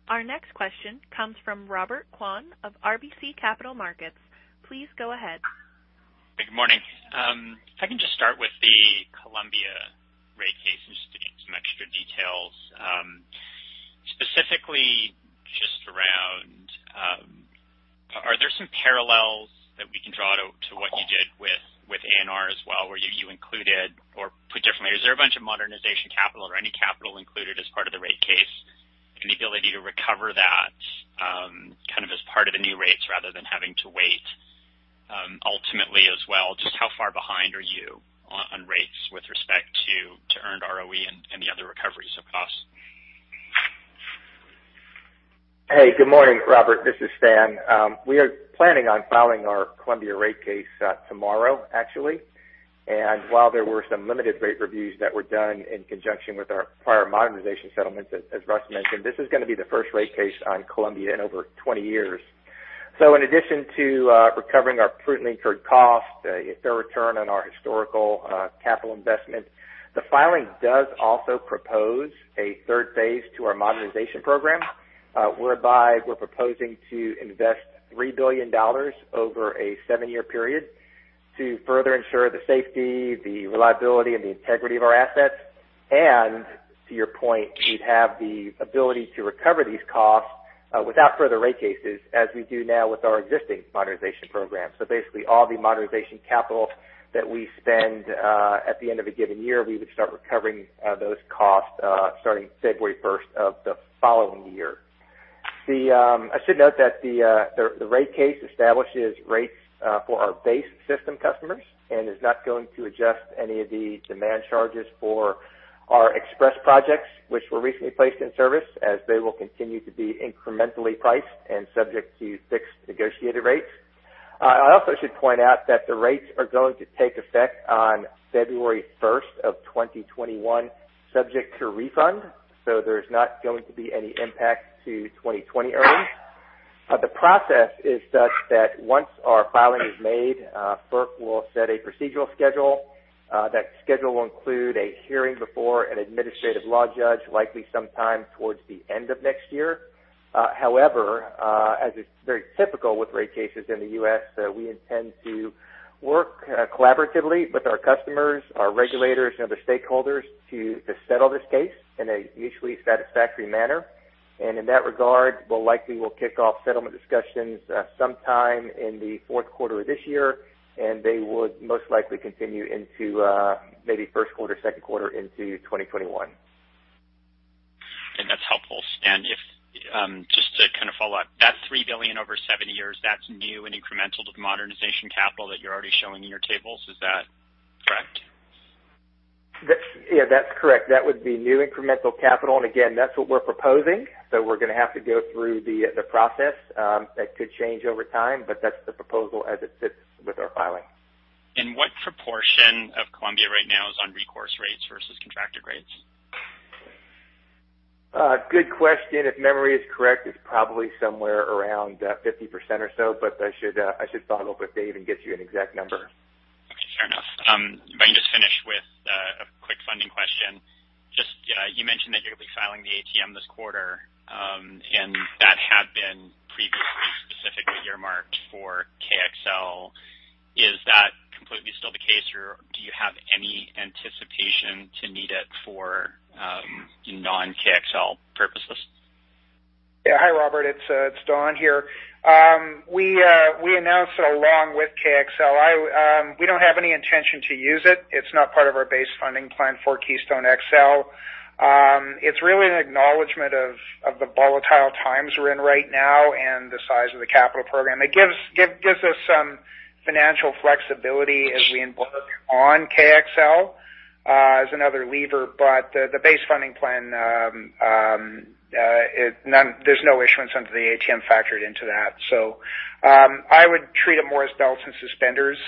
Our next question comes from Robert Kwan of RBC Capital Markets. Please go ahead. Good morning. If I can just start with the Columbia rate case and just to get some extra details. Specifically, just around, are there some parallels that we can draw to what you did with ANR as well, where you included or put differently, is there a bunch of modernization capital or any capital included as part of the rate case? An ability to recover that as part of the new rates rather than having to wait ultimately as well, just how far behind are you on rates with respect to earned ROE and the other recoveries of costs? Hey, good morning, Robert. This is Stan. We are planning on filing our Columbia rate case tomorrow, actually. While there were some limited rate reviews that were done in conjunction with our prior modernization settlements, as Russ mentioned, this is going to be the first rate case on Columbia in over 20 years. In addition to recovering our prudently incurred costs, a fair return on our historical capital investment, the filing does also propose a third phase to our modernization program, whereby we're proposing to invest 3 billion dollars over a seven-year period to further ensure the safety, the reliability, and the integrity of our assets. To your point, we'd have the ability to recover these costs without further rate cases as we do now with our existing modernization program. Basically all the modernization capital that we spend at the end of a given year, we would start recovering those costs starting February 1st of the following year. I should note that the rate case establishes rates for our base system customers and is not going to adjust any of the demand charges for our XPress projects, which were recently placed in service, as they will continue to be incrementally priced and subject to fixed negotiated rates. I also should point out that the rates are going to take effect on February 1st of 2021, subject to refund. There's not going to be any impact to 2020 earnings. The process is such that once our filing is made, FERC will set a procedural schedule. That schedule will include a hearing before an administrative law judge, likely sometime towards the end of next year. However, as is very typical with rate cases in the U.S., we intend to work collaboratively with our customers, our regulators, and other stakeholders to settle this case in a mutually satisfactory manner. In that regard, we likely will kick off settlement discussions sometime in the fourth quarter of this year, and they would most likely continue into maybe first quarter, second quarter into 2021. That's helpful. Stan, just to kind of follow up, that 3 billion over seven years, that's new and incremental to the modernization capital that you're already showing in your tables. Is that correct? Yeah, that's correct. That would be new incremental capital. Again, that's what we're proposing. We're going to have to go through the process. That could change over time, but that's the proposal as it sits with our filing. What proportion of Columbia right now is on recourse rates versus contracted rates? Good question. If memory is correct, it's probably somewhere around 50% or so, but I should follow up with Dave and get you an exact number. Okay, fair enough. If I can just finish with a quick funding question. Just you mentioned that you're going to be filing the ATM this quarter, and that had been previously specifically earmarked for KXL. Is that completely still the case, or do you have any anticipation to need it for non-KXL purposes? Yeah. Hi, Robert. It's Don here. We announced it along with KXL. We don't have any intention to use it. It's not part of our base funding plan for Keystone XL. It's really an acknowledgment of the volatile times we're in right now and the size of the capital program. It gives us some financial flexibility as we embark on KXL as another lever. The base funding plan, there's no issuance under the ATM factored into that. I would treat it more as belts and suspenders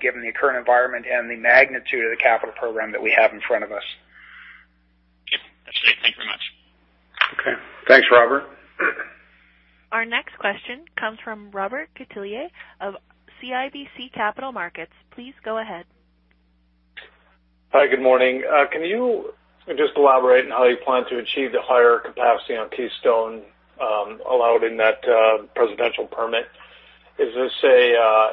given the current environment and the magnitude of the capital program that we have in front of us. Thanks, Robert. Our next question comes from Robert Catellier of CIBC Capital Markets. Please go ahead. Hi. Good morning. Can you just elaborate on how you plan to achieve the higher capacity on Keystone allowed in that presidential permit? Is this a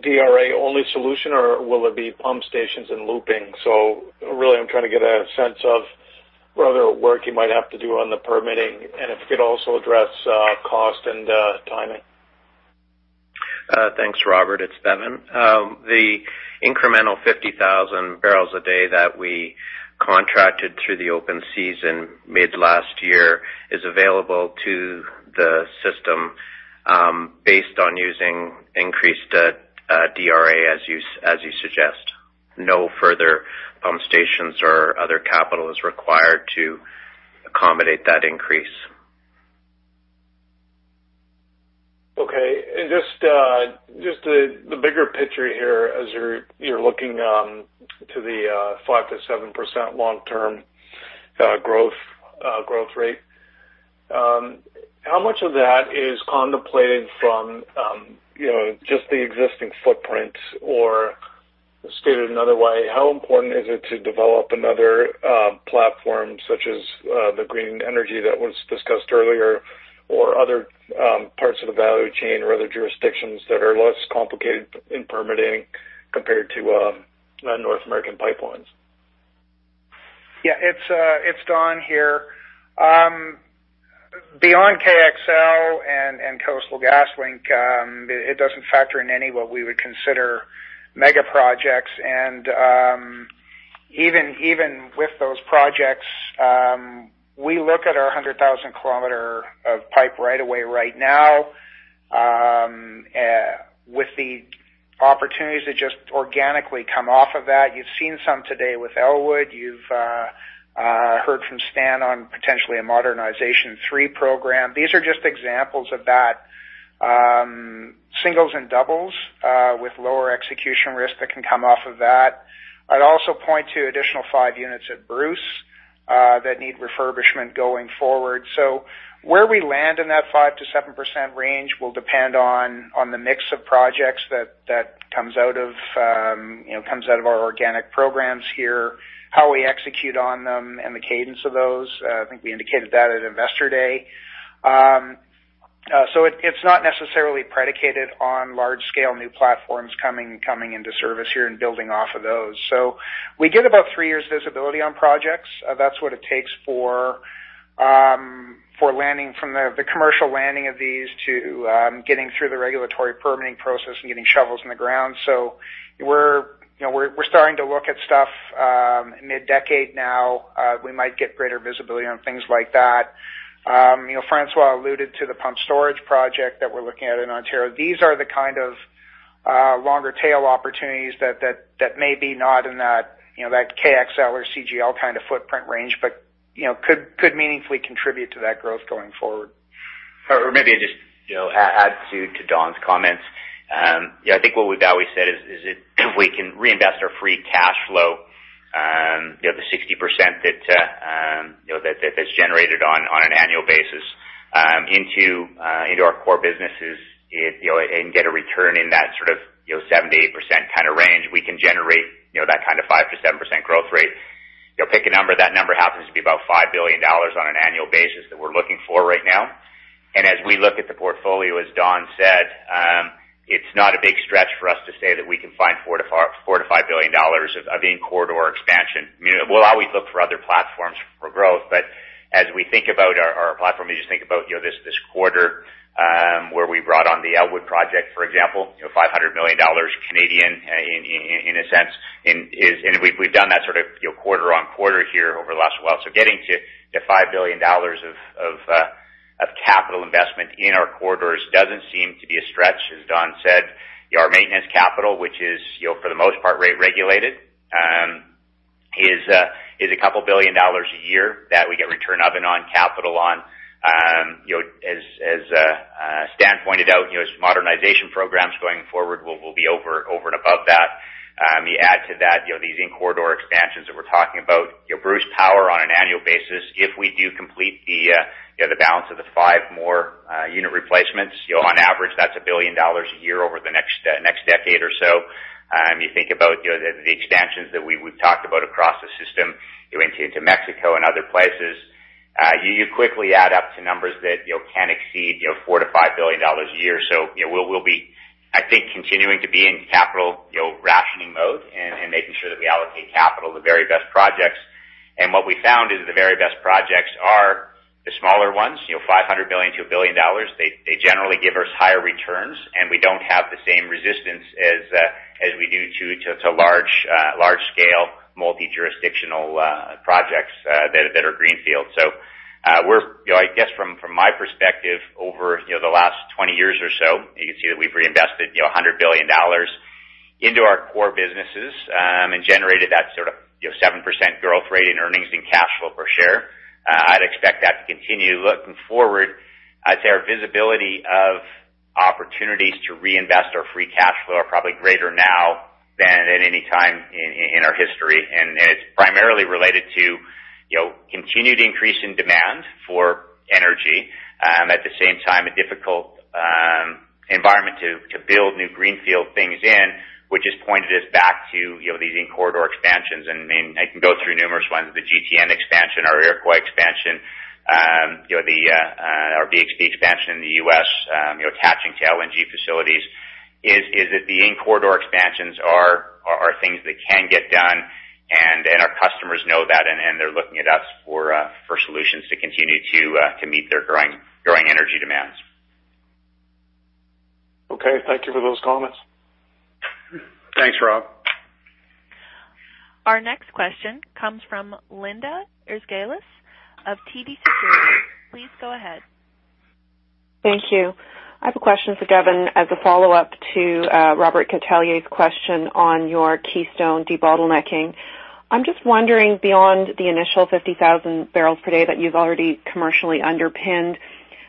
DRA-only solution, or will it be pump stations and looping? Really, I'm trying to get a sense of what other work you might have to do on the permitting, and if you could also address cost and timing. Thanks, Robert. It's Bevin. The incremental 50,000 barrels a day that we contracted through the open season mid last year is available to the system, based on using increased DRA, as you suggest. No further pump stations or other capital is required to accommodate that increase. Okay. Just the bigger picture here, as you're looking to the 5%-7% long-term growth rate, how much of that is contemplated from just the existing footprint? Stated another way, how important is it to develop another platform, such as the green energy that was discussed earlier, or other parts of the value chain or other jurisdictions that are less complicated in permitting compared to North American pipelines? Yeah. It's Don here. Beyond KXL and Coastal GasLink, it doesn't factor in any what we would consider mega projects. Even with those projects, we look at our 100,000 kilometer of pipe right-of-way right now with the opportunities that just organically come off of that. You've seen some today with Elwood. You've heard from Stan on potentially a Modernization 3 Program. These are just examples of that. Singles and doubles with lower execution risk that can come off of that. I'd also point to additional five units at Bruce that need refurbishment going forward. Where we land in that 5%-7% range will depend on the mix of projects that comes out of our organic programs here, how we execute on them, and the cadence of those. I think we indicated that at Investor Day. It's not necessarily predicated on large-scale new platforms coming into service here and building off of those. We get about three years visibility on projects. That's what it takes for the commercial landing of these to getting through the regulatory permitting process and getting shovels in the ground. We're starting to look at stuff mid-decade now. We might get greater visibility on things like that. François alluded to the pump storage project that we're looking at in Ontario. These are the kind of longer tail opportunities that may be not in that KXL or CGL kind of footprint range, but could meaningfully contribute to that growth going forward. Maybe I just add to Don's comments. I think what we've always said is if we can reinvest our free cash flow, the 60% that's generated on an annual basis into our core businesses and get a return in that sort of 7%-8% range, we can generate that kind of 5%-7% growth rate. Pick a number, that number happens to be about 5 billion dollars on an annual basis that we're looking for right now. As we look at the portfolio, as Don said, it's not a big stretch for us to say that we can find 4 billion-5 billion dollars of in-corridor expansion. We'll always look for other platforms for growth. As we think about our platform, you just think about this quarter, where we brought on the Elwood Project, for example, 500 million Canadian dollars, in a sense. We've done that sort of quarter on quarter here over the last while. Getting to 5 billion dollars of capital investment in our corridors doesn't seem to be a stretch. As Don said, our maintenance capital, which is for the most part, rate regulated, is a couple billion CAD a year that we get return of and on capital on. As Stan pointed out, his modernization programs going forward will be over and above that. You add to that these in-corridor expansions that we're talking about. Bruce Power on an annual basis, if we do complete the balance of the five more unit replacements, on average, that's 1 billion dollars a year over the next decade or so. You think about the expansions that we've talked about across the system into Mexico and other places. You quickly add up to numbers that can exceed 4 billion-5 billion dollars a year. We'll be, I think, continuing to be in capital rationing mode and making sure that we allocate capital to very best projects. What we found is that the very best projects are the smaller ones, 500 million-1 billion. They generally give us higher returns, and we don't have the same resistance as we do to large-scale multi-jurisdictional projects that are greenfield. I guess from my perspective, over the last 20 years or so, you can see that we've reinvested 100 billion dollars into our core businesses and generated that sort of 7% growth rate in earnings and cash flow per share. I'd expect that to continue looking forward. I'd say our visibility of opportunities to reinvest our free cash flow are probably greater now than at any time in our history, and it's primarily related to continued increase in demand for energy. A difficult environment to build new greenfield things in, which has pointed us back to these in-corridor expansions. I can go through numerous ones, the GTN expansion, our Iroquois expansion, our BXP expansion in the U.S., attaching to LNG facilities, is that the in-corridor expansions are things that can get done, and our customers know that, and they're looking at us for solutions to continue to meet their growing energy demands. Okay. Thank you for those comments. Thanks, Rob. Our next question comes from Linda Ezergailis of TD Securities. Please go ahead. Thank you. I have a question for Bevin as a follow-up to Robert Catellier's question on your Keystone debottlenecking. I'm just wondering, beyond the initial 50,000 barrels per day that you've already commercially underpinned,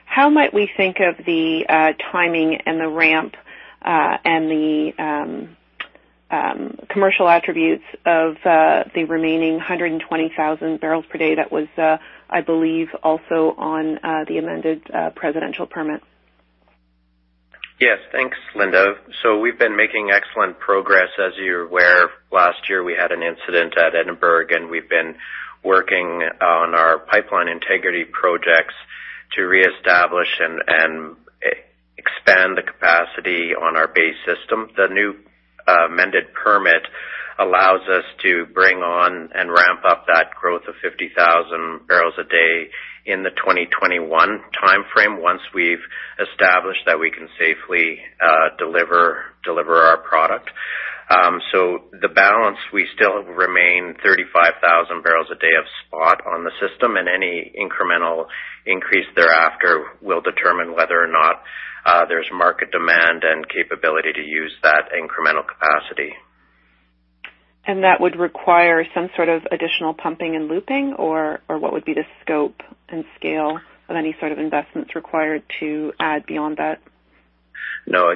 how might we think of the timing and the ramp, and the commercial attributes of the remaining 120,000 barrels per day that was, I believe, also on the amended presidential permit? Yes. Thanks, Linda. We've been making excellent progress. As you're aware, last year we had an incident at Edinburg, and we've been working on our pipeline integrity projects to reestablish and expand the capacity on our base system. The new amended permit allows us to bring on and ramp up that growth of 50,000 barrels a day in the 2021 timeframe, once we've established that we can safely deliver our product. The balance, we still remain 35,000 barrels a day of spot on the system, and any incremental increase thereafter will determine whether or not there's market demand and capability to use that incremental capacity. That would require some sort of additional pumping and looping, or what would be the scope and scale of any sort of investments required to add beyond that? No.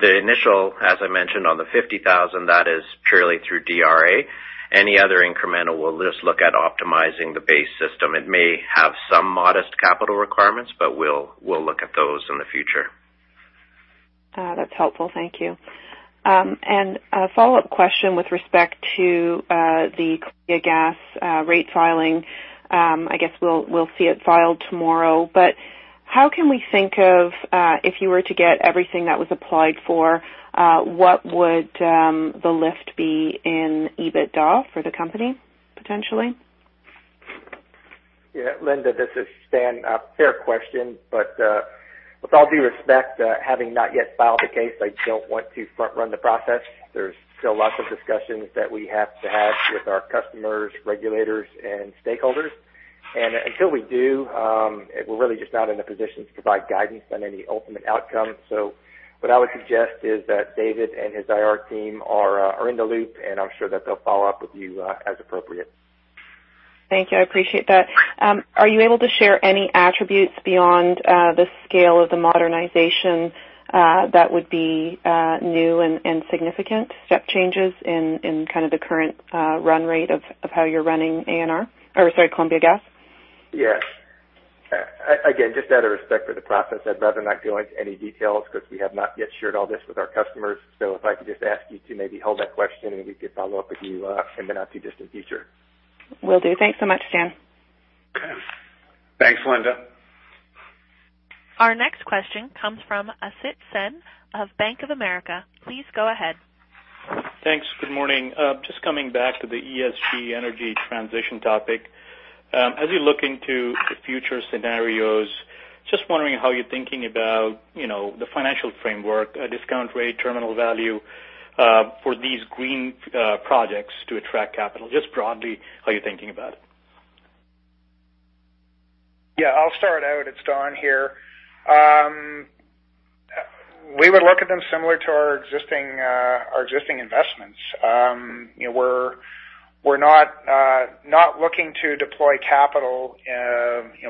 The initial, as I mentioned on the 50,000, that is purely through DRA. Any other incremental, we'll just look at optimizing the base system. It may have some modest capital requirements, but we'll look at those in the future. That's helpful. Thank you. A follow-up question with respect to the Columbia Gas rate filing. I guess we'll see it filed tomorrow, but how can we think of, if you were to get everything that was applied for, what would the lift be in EBITDA for the company, potentially? Yeah. Linda, this is Stan. Fair question, but with all due respect, having not yet filed the case, I don't want to front-run the process. There's still lots of discussions that we have to have with our customers, regulators, and stakeholders. Until we do, we're really just not in a position to provide guidance on any ultimate outcome. What I would suggest is that David and his IR team are in the loop, and I'm sure that they'll follow up with you as appropriate. Thank you. I appreciate that. Are you able to share any attributes beyond the scale of the modernization that would be new and significant step changes in kind of the current run rate of how you're running ANR, or sorry, Columbia Gas? Yes. Again, just out of respect for the process, I'd rather not go into any details because we have not yet shared all this with our customers. If I could just ask you to maybe hold that question, and we could follow up with you in the not-too-distant future. Will do. Thanks so much, Stan. Okay. Thanks, Linda. Our next question comes from Asit Sen of Bank of America. Please go ahead. Thanks. Good morning. Just coming back to the ESG energy transition topic. As you look into the future scenarios, just wondering how you're thinking about the financial framework, discount rate, terminal value, for these green projects to attract capital. Just broadly, how are you thinking about it? Yeah, I'll start out. It's Don here. We would look at them similar to our existing investments. We're not looking to deploy capital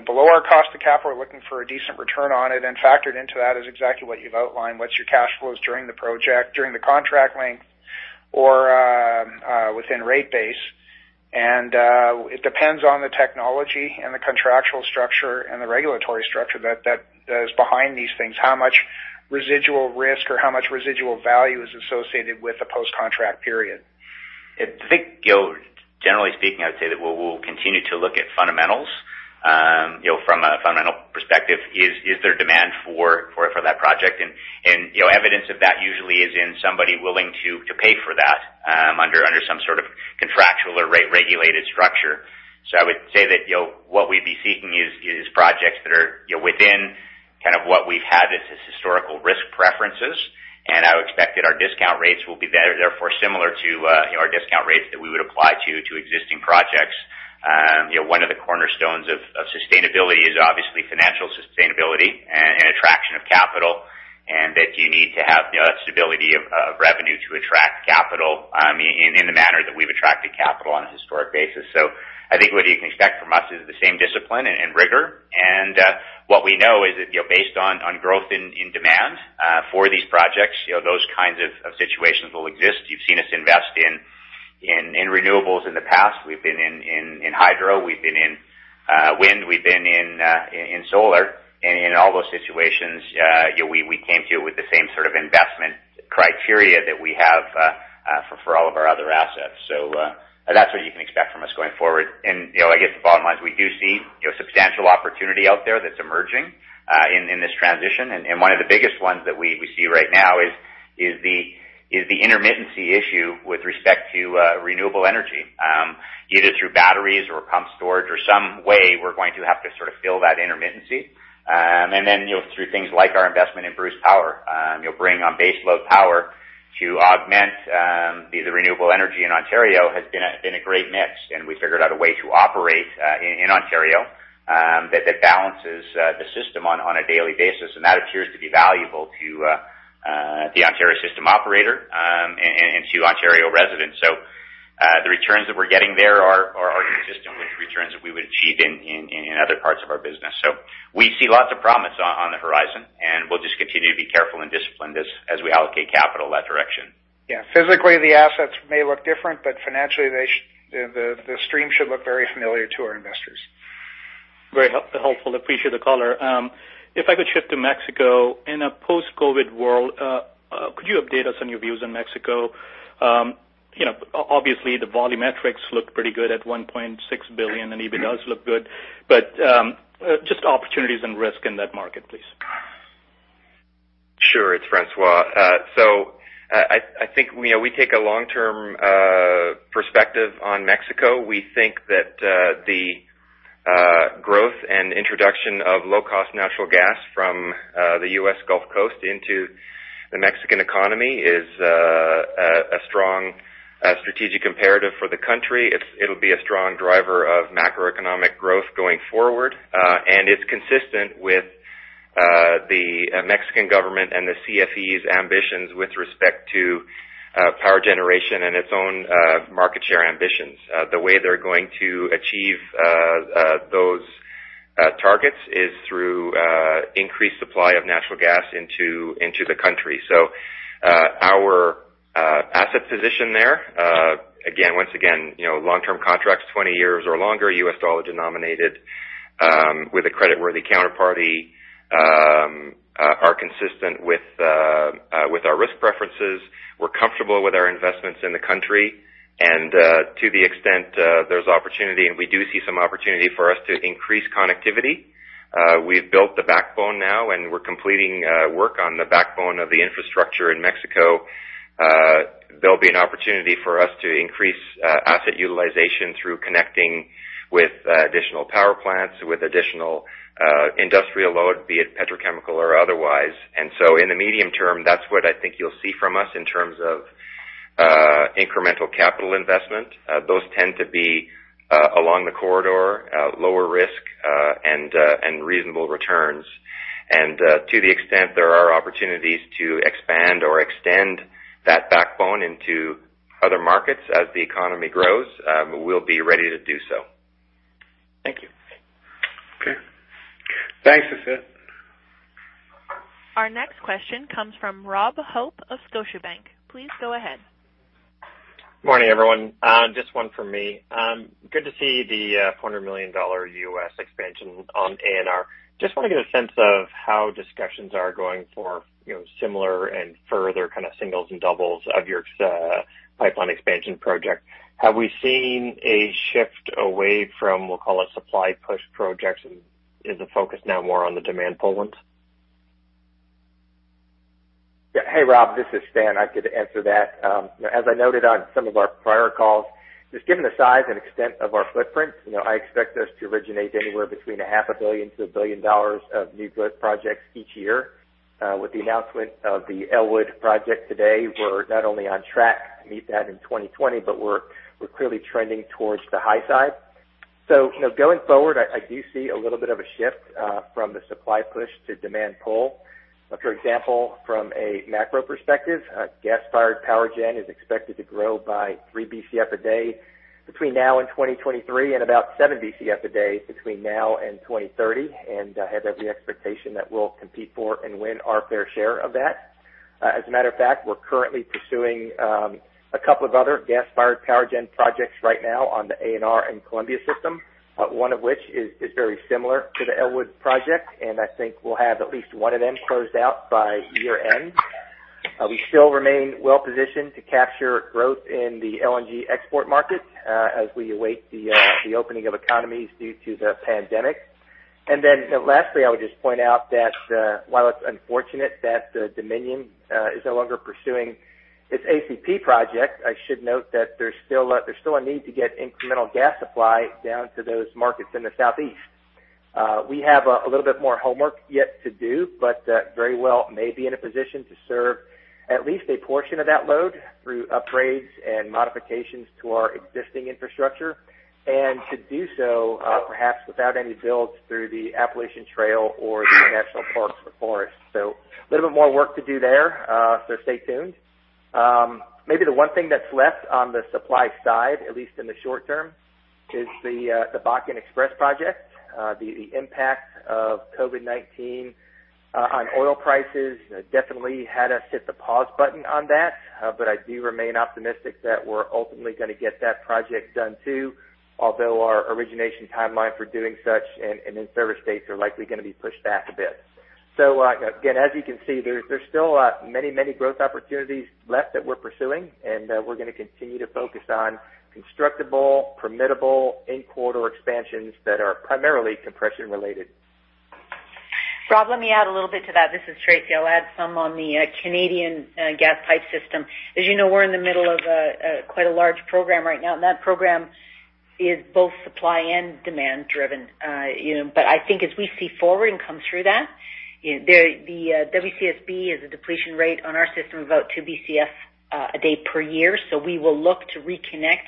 below our cost of capital. We're looking for a decent return on it, and factored into that is exactly what you've outlined, what's your cash flows during the project, during the contract length, or within rate base. It depends on the technology and the contractual structure and the regulatory structure that is behind these things. How much residual risk or how much residual value is associated with the post-contract period. I think, generally speaking, I would say that we'll continue to look at fundamentals. From a fundamental perspective, is there demand for that project? Evidence of that usually is in somebody willing to pay for that under some sort of contractual or rate-regulated structure. I would say that what we'd be seeking is projects that are within kind of what we've had as historical risk preferences, and I would expect that our discount rates will be therefore similar to our discount rates that we would apply to existing projects. One of the cornerstones of sustainability is obviously financial sustainability and attraction of capital, and that you need to have stability of revenue to attract capital in the manner that we've attracted capital on a historic basis. I think what you can expect from us is the same discipline and rigor. What we know is that based on growth in demand for these projects, those kinds of situations will exist. You've seen us invest in renewables in the past. We've been in hydro, we've been in wind, we've been in solar. In all those situations, we came to it with the same sort of investment criteria that we have for all of our other assets. That's what you can expect from us going forward. I guess the bottom line is we do see substantial opportunity out there that's emerging in this transition. One of the biggest ones that we see right now is the intermittency issue with respect to renewable energy. Either through batteries or pump storage or some way, we're going to have to sort of fill that intermittency. Then through things like our investment in Bruce Power. You'll bring on baseload power to augment the renewable energy in Ontario has been a great mix, and we figured out a way to operate in Ontario that balances the system on a daily basis. That appears to be valuable to the Ontario system operator and to Ontario residents. The returns that we're getting there are consistent with the returns that we would achieve in other parts of our business. We see lots of promise on the horizon, and we'll just continue to be careful and disciplined as we allocate capital in that direction. Yeah. Physically, the assets may look different, but financially the stream should look very familiar to our investors. Very helpful. Appreciate the color. If I could shift to Mexico. In a post-COVID-19 world, could you update us on your views on Mexico? Obviously, the volumetrics look pretty good at 1.6 billion, and EBITDA does look good. Just opportunities and risk in that market, please. Sure. It's François. I think we take a long-term perspective on Mexico. We think that the growth and introduction of low-cost natural gas from the U.S. Gulf Coast into the Mexican economy is a strong strategic imperative for the country. It'll be a strong driver of macroeconomic growth going forward. It's consistent with the Mexican government and the CFE's ambitions with respect to power generation and its own market share ambitions. The way they're going to achieve those targets is through increased supply of natural gas into the country. Our asset position there, once again, long-term contracts, 20 years or longer, U.S. dollar-denominated, with a creditworthy counterparty, are consistent with our risk preferences. We're comfortable with our investments in the country and to the extent there's opportunity, and we do see some opportunity for us to increase connectivity. We've built the backbone now, and we're completing work on the backbone of the infrastructure in Mexico. There'll be an opportunity for us to increase asset utilization through connecting with additional power plants, with additional industrial load, be it petrochemical or otherwise. In the medium term, that's what I think you'll see from us in terms of incremental capital investment. Those tend to be along the corridor, lower risk, and reasonable returns. To the extent there are opportunities to expand or extend that backbone into other markets as the economy grows, we'll be ready to do so. Thank you. Okay. Thanks, Asit. Our next question comes from Rob Hope of Scotiabank. Please go ahead. Morning, everyone. Just one from me. Good to see the $400 million US expansion on ANR. Just want to get a sense of how discussions are going for similar and further kind of singles and doubles of your pipeline expansion project. Have we seen a shift away from, we'll call it supply-push projects, and is the focus now more on the demand-pull ones? Hey, Rob. This is Stan. I could answer that. As I noted on some of our prior calls, just given the size and extent of our footprint, I expect us to originate anywhere between a half a billion to a billion CAD of new growth projects each year. With the announcement of the Elwood project today, we're not only on track to meet that in 2020, but we're clearly trending towards the high side. Going forward, I do see a little bit of a shift from the supply push to demand pull. For example, from a macro perspective, gas-fired power gen is expected to grow by three BCF a day between now and 2023 and about seven BCF a day between now and 2030, and I have every expectation that we'll compete for and win our fair share of that. As a matter of fact, we're currently pursuing a couple of other gas-fired power gen projects right now on the ANR and Columbia system, one of which is very similar to the Elwood project, and I think we'll have at least one of them closed out by year-end. We still remain well-positioned to capture growth in the LNG export market as we await the opening of economies due to the pandemic. Lastly, I would just point out that while it's unfortunate that Dominion is no longer pursuing its ACP project, I should note that there's still a need to get incremental gas supply down to those markets in the Southeast. We have a little bit more homework yet to do, but very well may be in a position to serve at least a portion of that load through upgrades and modifications to our existing infrastructure. To do so, perhaps without any builds through the Appalachian Trail or the national parks or forests. A little bit more work to do there, so stay tuned. Maybe the one thing that's left on the supply side, at least in the short term, is the Bakken XPress project. The impact of COVID-19 on oil prices definitely had us hit the pause button on that. I do remain optimistic that we're ultimately going to get that project done too, although our origination timeline for doing such and in-service dates are likely going to be pushed back a bit. Again, as you can see, there's still many growth opportunities left that we're pursuing, and we're going to continue to focus on constructible, permittable in-corridor expansions that are primarily compression related. Rob, let me add a little bit to that. This is Tracy. I'll add some on the Canadian gas pipe system. As you know, we're in the middle of quite a large program right now, that program is both supply and demand driven. I think as we see forward and come through that, the WCSB has a depletion rate on our system of about two BCF a day per year. We will look to reconnect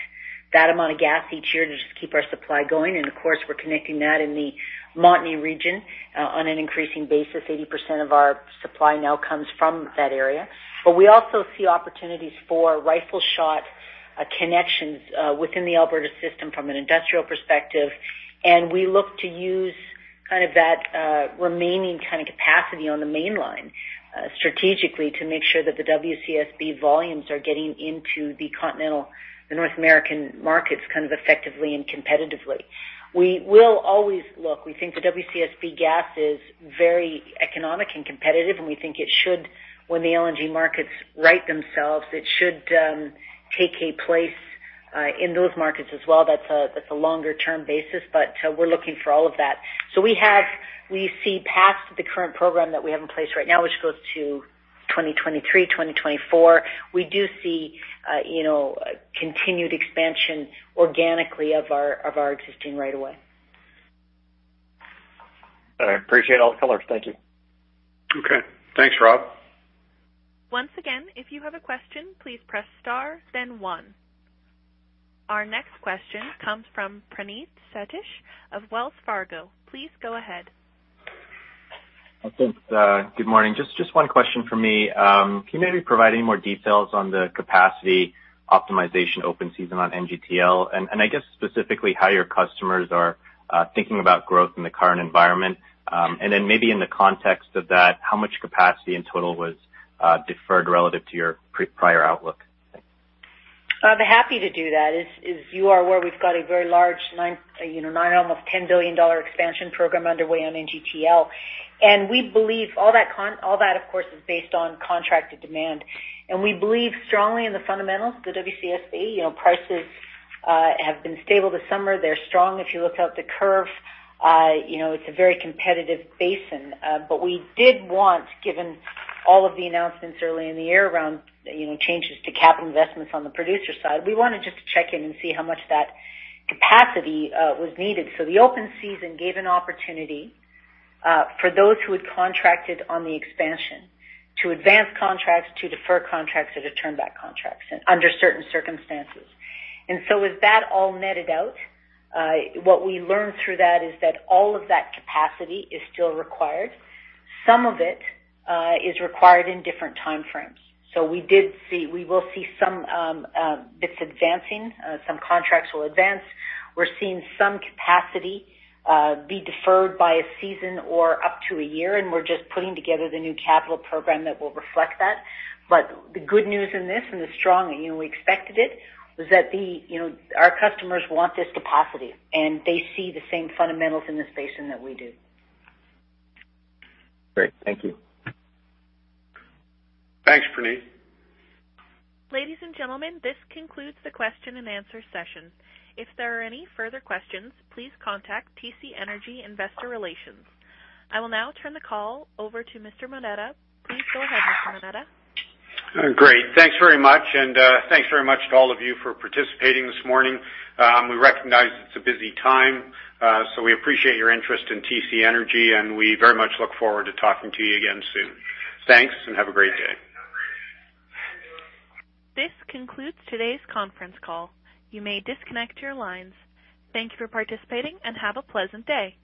that amount of gas each year to just keep our supply going. Of course, we're connecting that in the Montney region on an increasing basis. 80% of our supply now comes from that area. We also see opportunities for rifle shot connections within the Alberta system from an industrial perspective, and we look to use that remaining capacity on the Mainline strategically to make sure that the WCSB volumes are getting into the continental, the North American markets effectively and competitively. We will always look. We think the WCSB gas is very economic and competitive, and we think it should, when the LNG markets right themselves, it should take a place in those markets as well. That's a longer-term basis. We're looking for all of that. We see past the current program that we have in place right now, which goes to 2023, 2024. We do see continued expansion organically of our existing right of way. I appreciate all the color. Thank you. Okay. Thanks, Rob. Once again, if you have a question, please press star, then one. Our next question comes from Praneeth Satish of Wells Fargo. Please go ahead. Thanks. Good morning. Just one question for me. Can you maybe provide any more details on the capacity optimization open season on NGTL? I guess specifically how your customers are thinking about growth in the current environment. Maybe in the context of that, how much capacity in total was deferred relative to your prior outlook? I'd be happy to do that. As you are aware, we've got a very large, almost 10 billion dollar expansion program underway on NGTL. We believe all that, of course, is based on contracted demand. We believe strongly in the fundamentals of the WCSB. Prices have been stable this summer. They're strong if you look out the curve. It's a very competitive basin. We did want, given all of the announcements early in the year around changes to capital investments on the producer side, we wanted just to check in and see how much that capacity was needed. The open season gave an opportunity for those who had contracted on the expansion to advance contracts, to defer contracts, or to turn back contracts under certain circumstances. With that all netted out, what we learned through that is that all of that capacity is still required. Some of it is required in different time frames. We will see some bits advancing. Some contracts will advance. We're seeing some capacity be deferred by a season or up to a year, and we're just putting together the new capital program that will reflect that. The good news in this, and the strong, we expected it, was that our customers want this capacity, and they see the same fundamentals in this basin that we do. Great. Thank you. Thanks, Praneeth. Ladies and gentlemen, this concludes the question and answer session. If there are any further questions, please contact TC Energy Investor Relations. I will now turn the call over to Mr. Moneta. Please go ahead, Mr. Moneta. Great. Thanks very much, and thanks very much to all of you for participating this morning. We recognize it's a busy time, so we appreciate your interest in TC Energy, and we very much look forward to talking to you again soon. Thanks, and have a great day. This concludes today's conference call. You may disconnect your lines. Thank you for participating and have a pleasant day.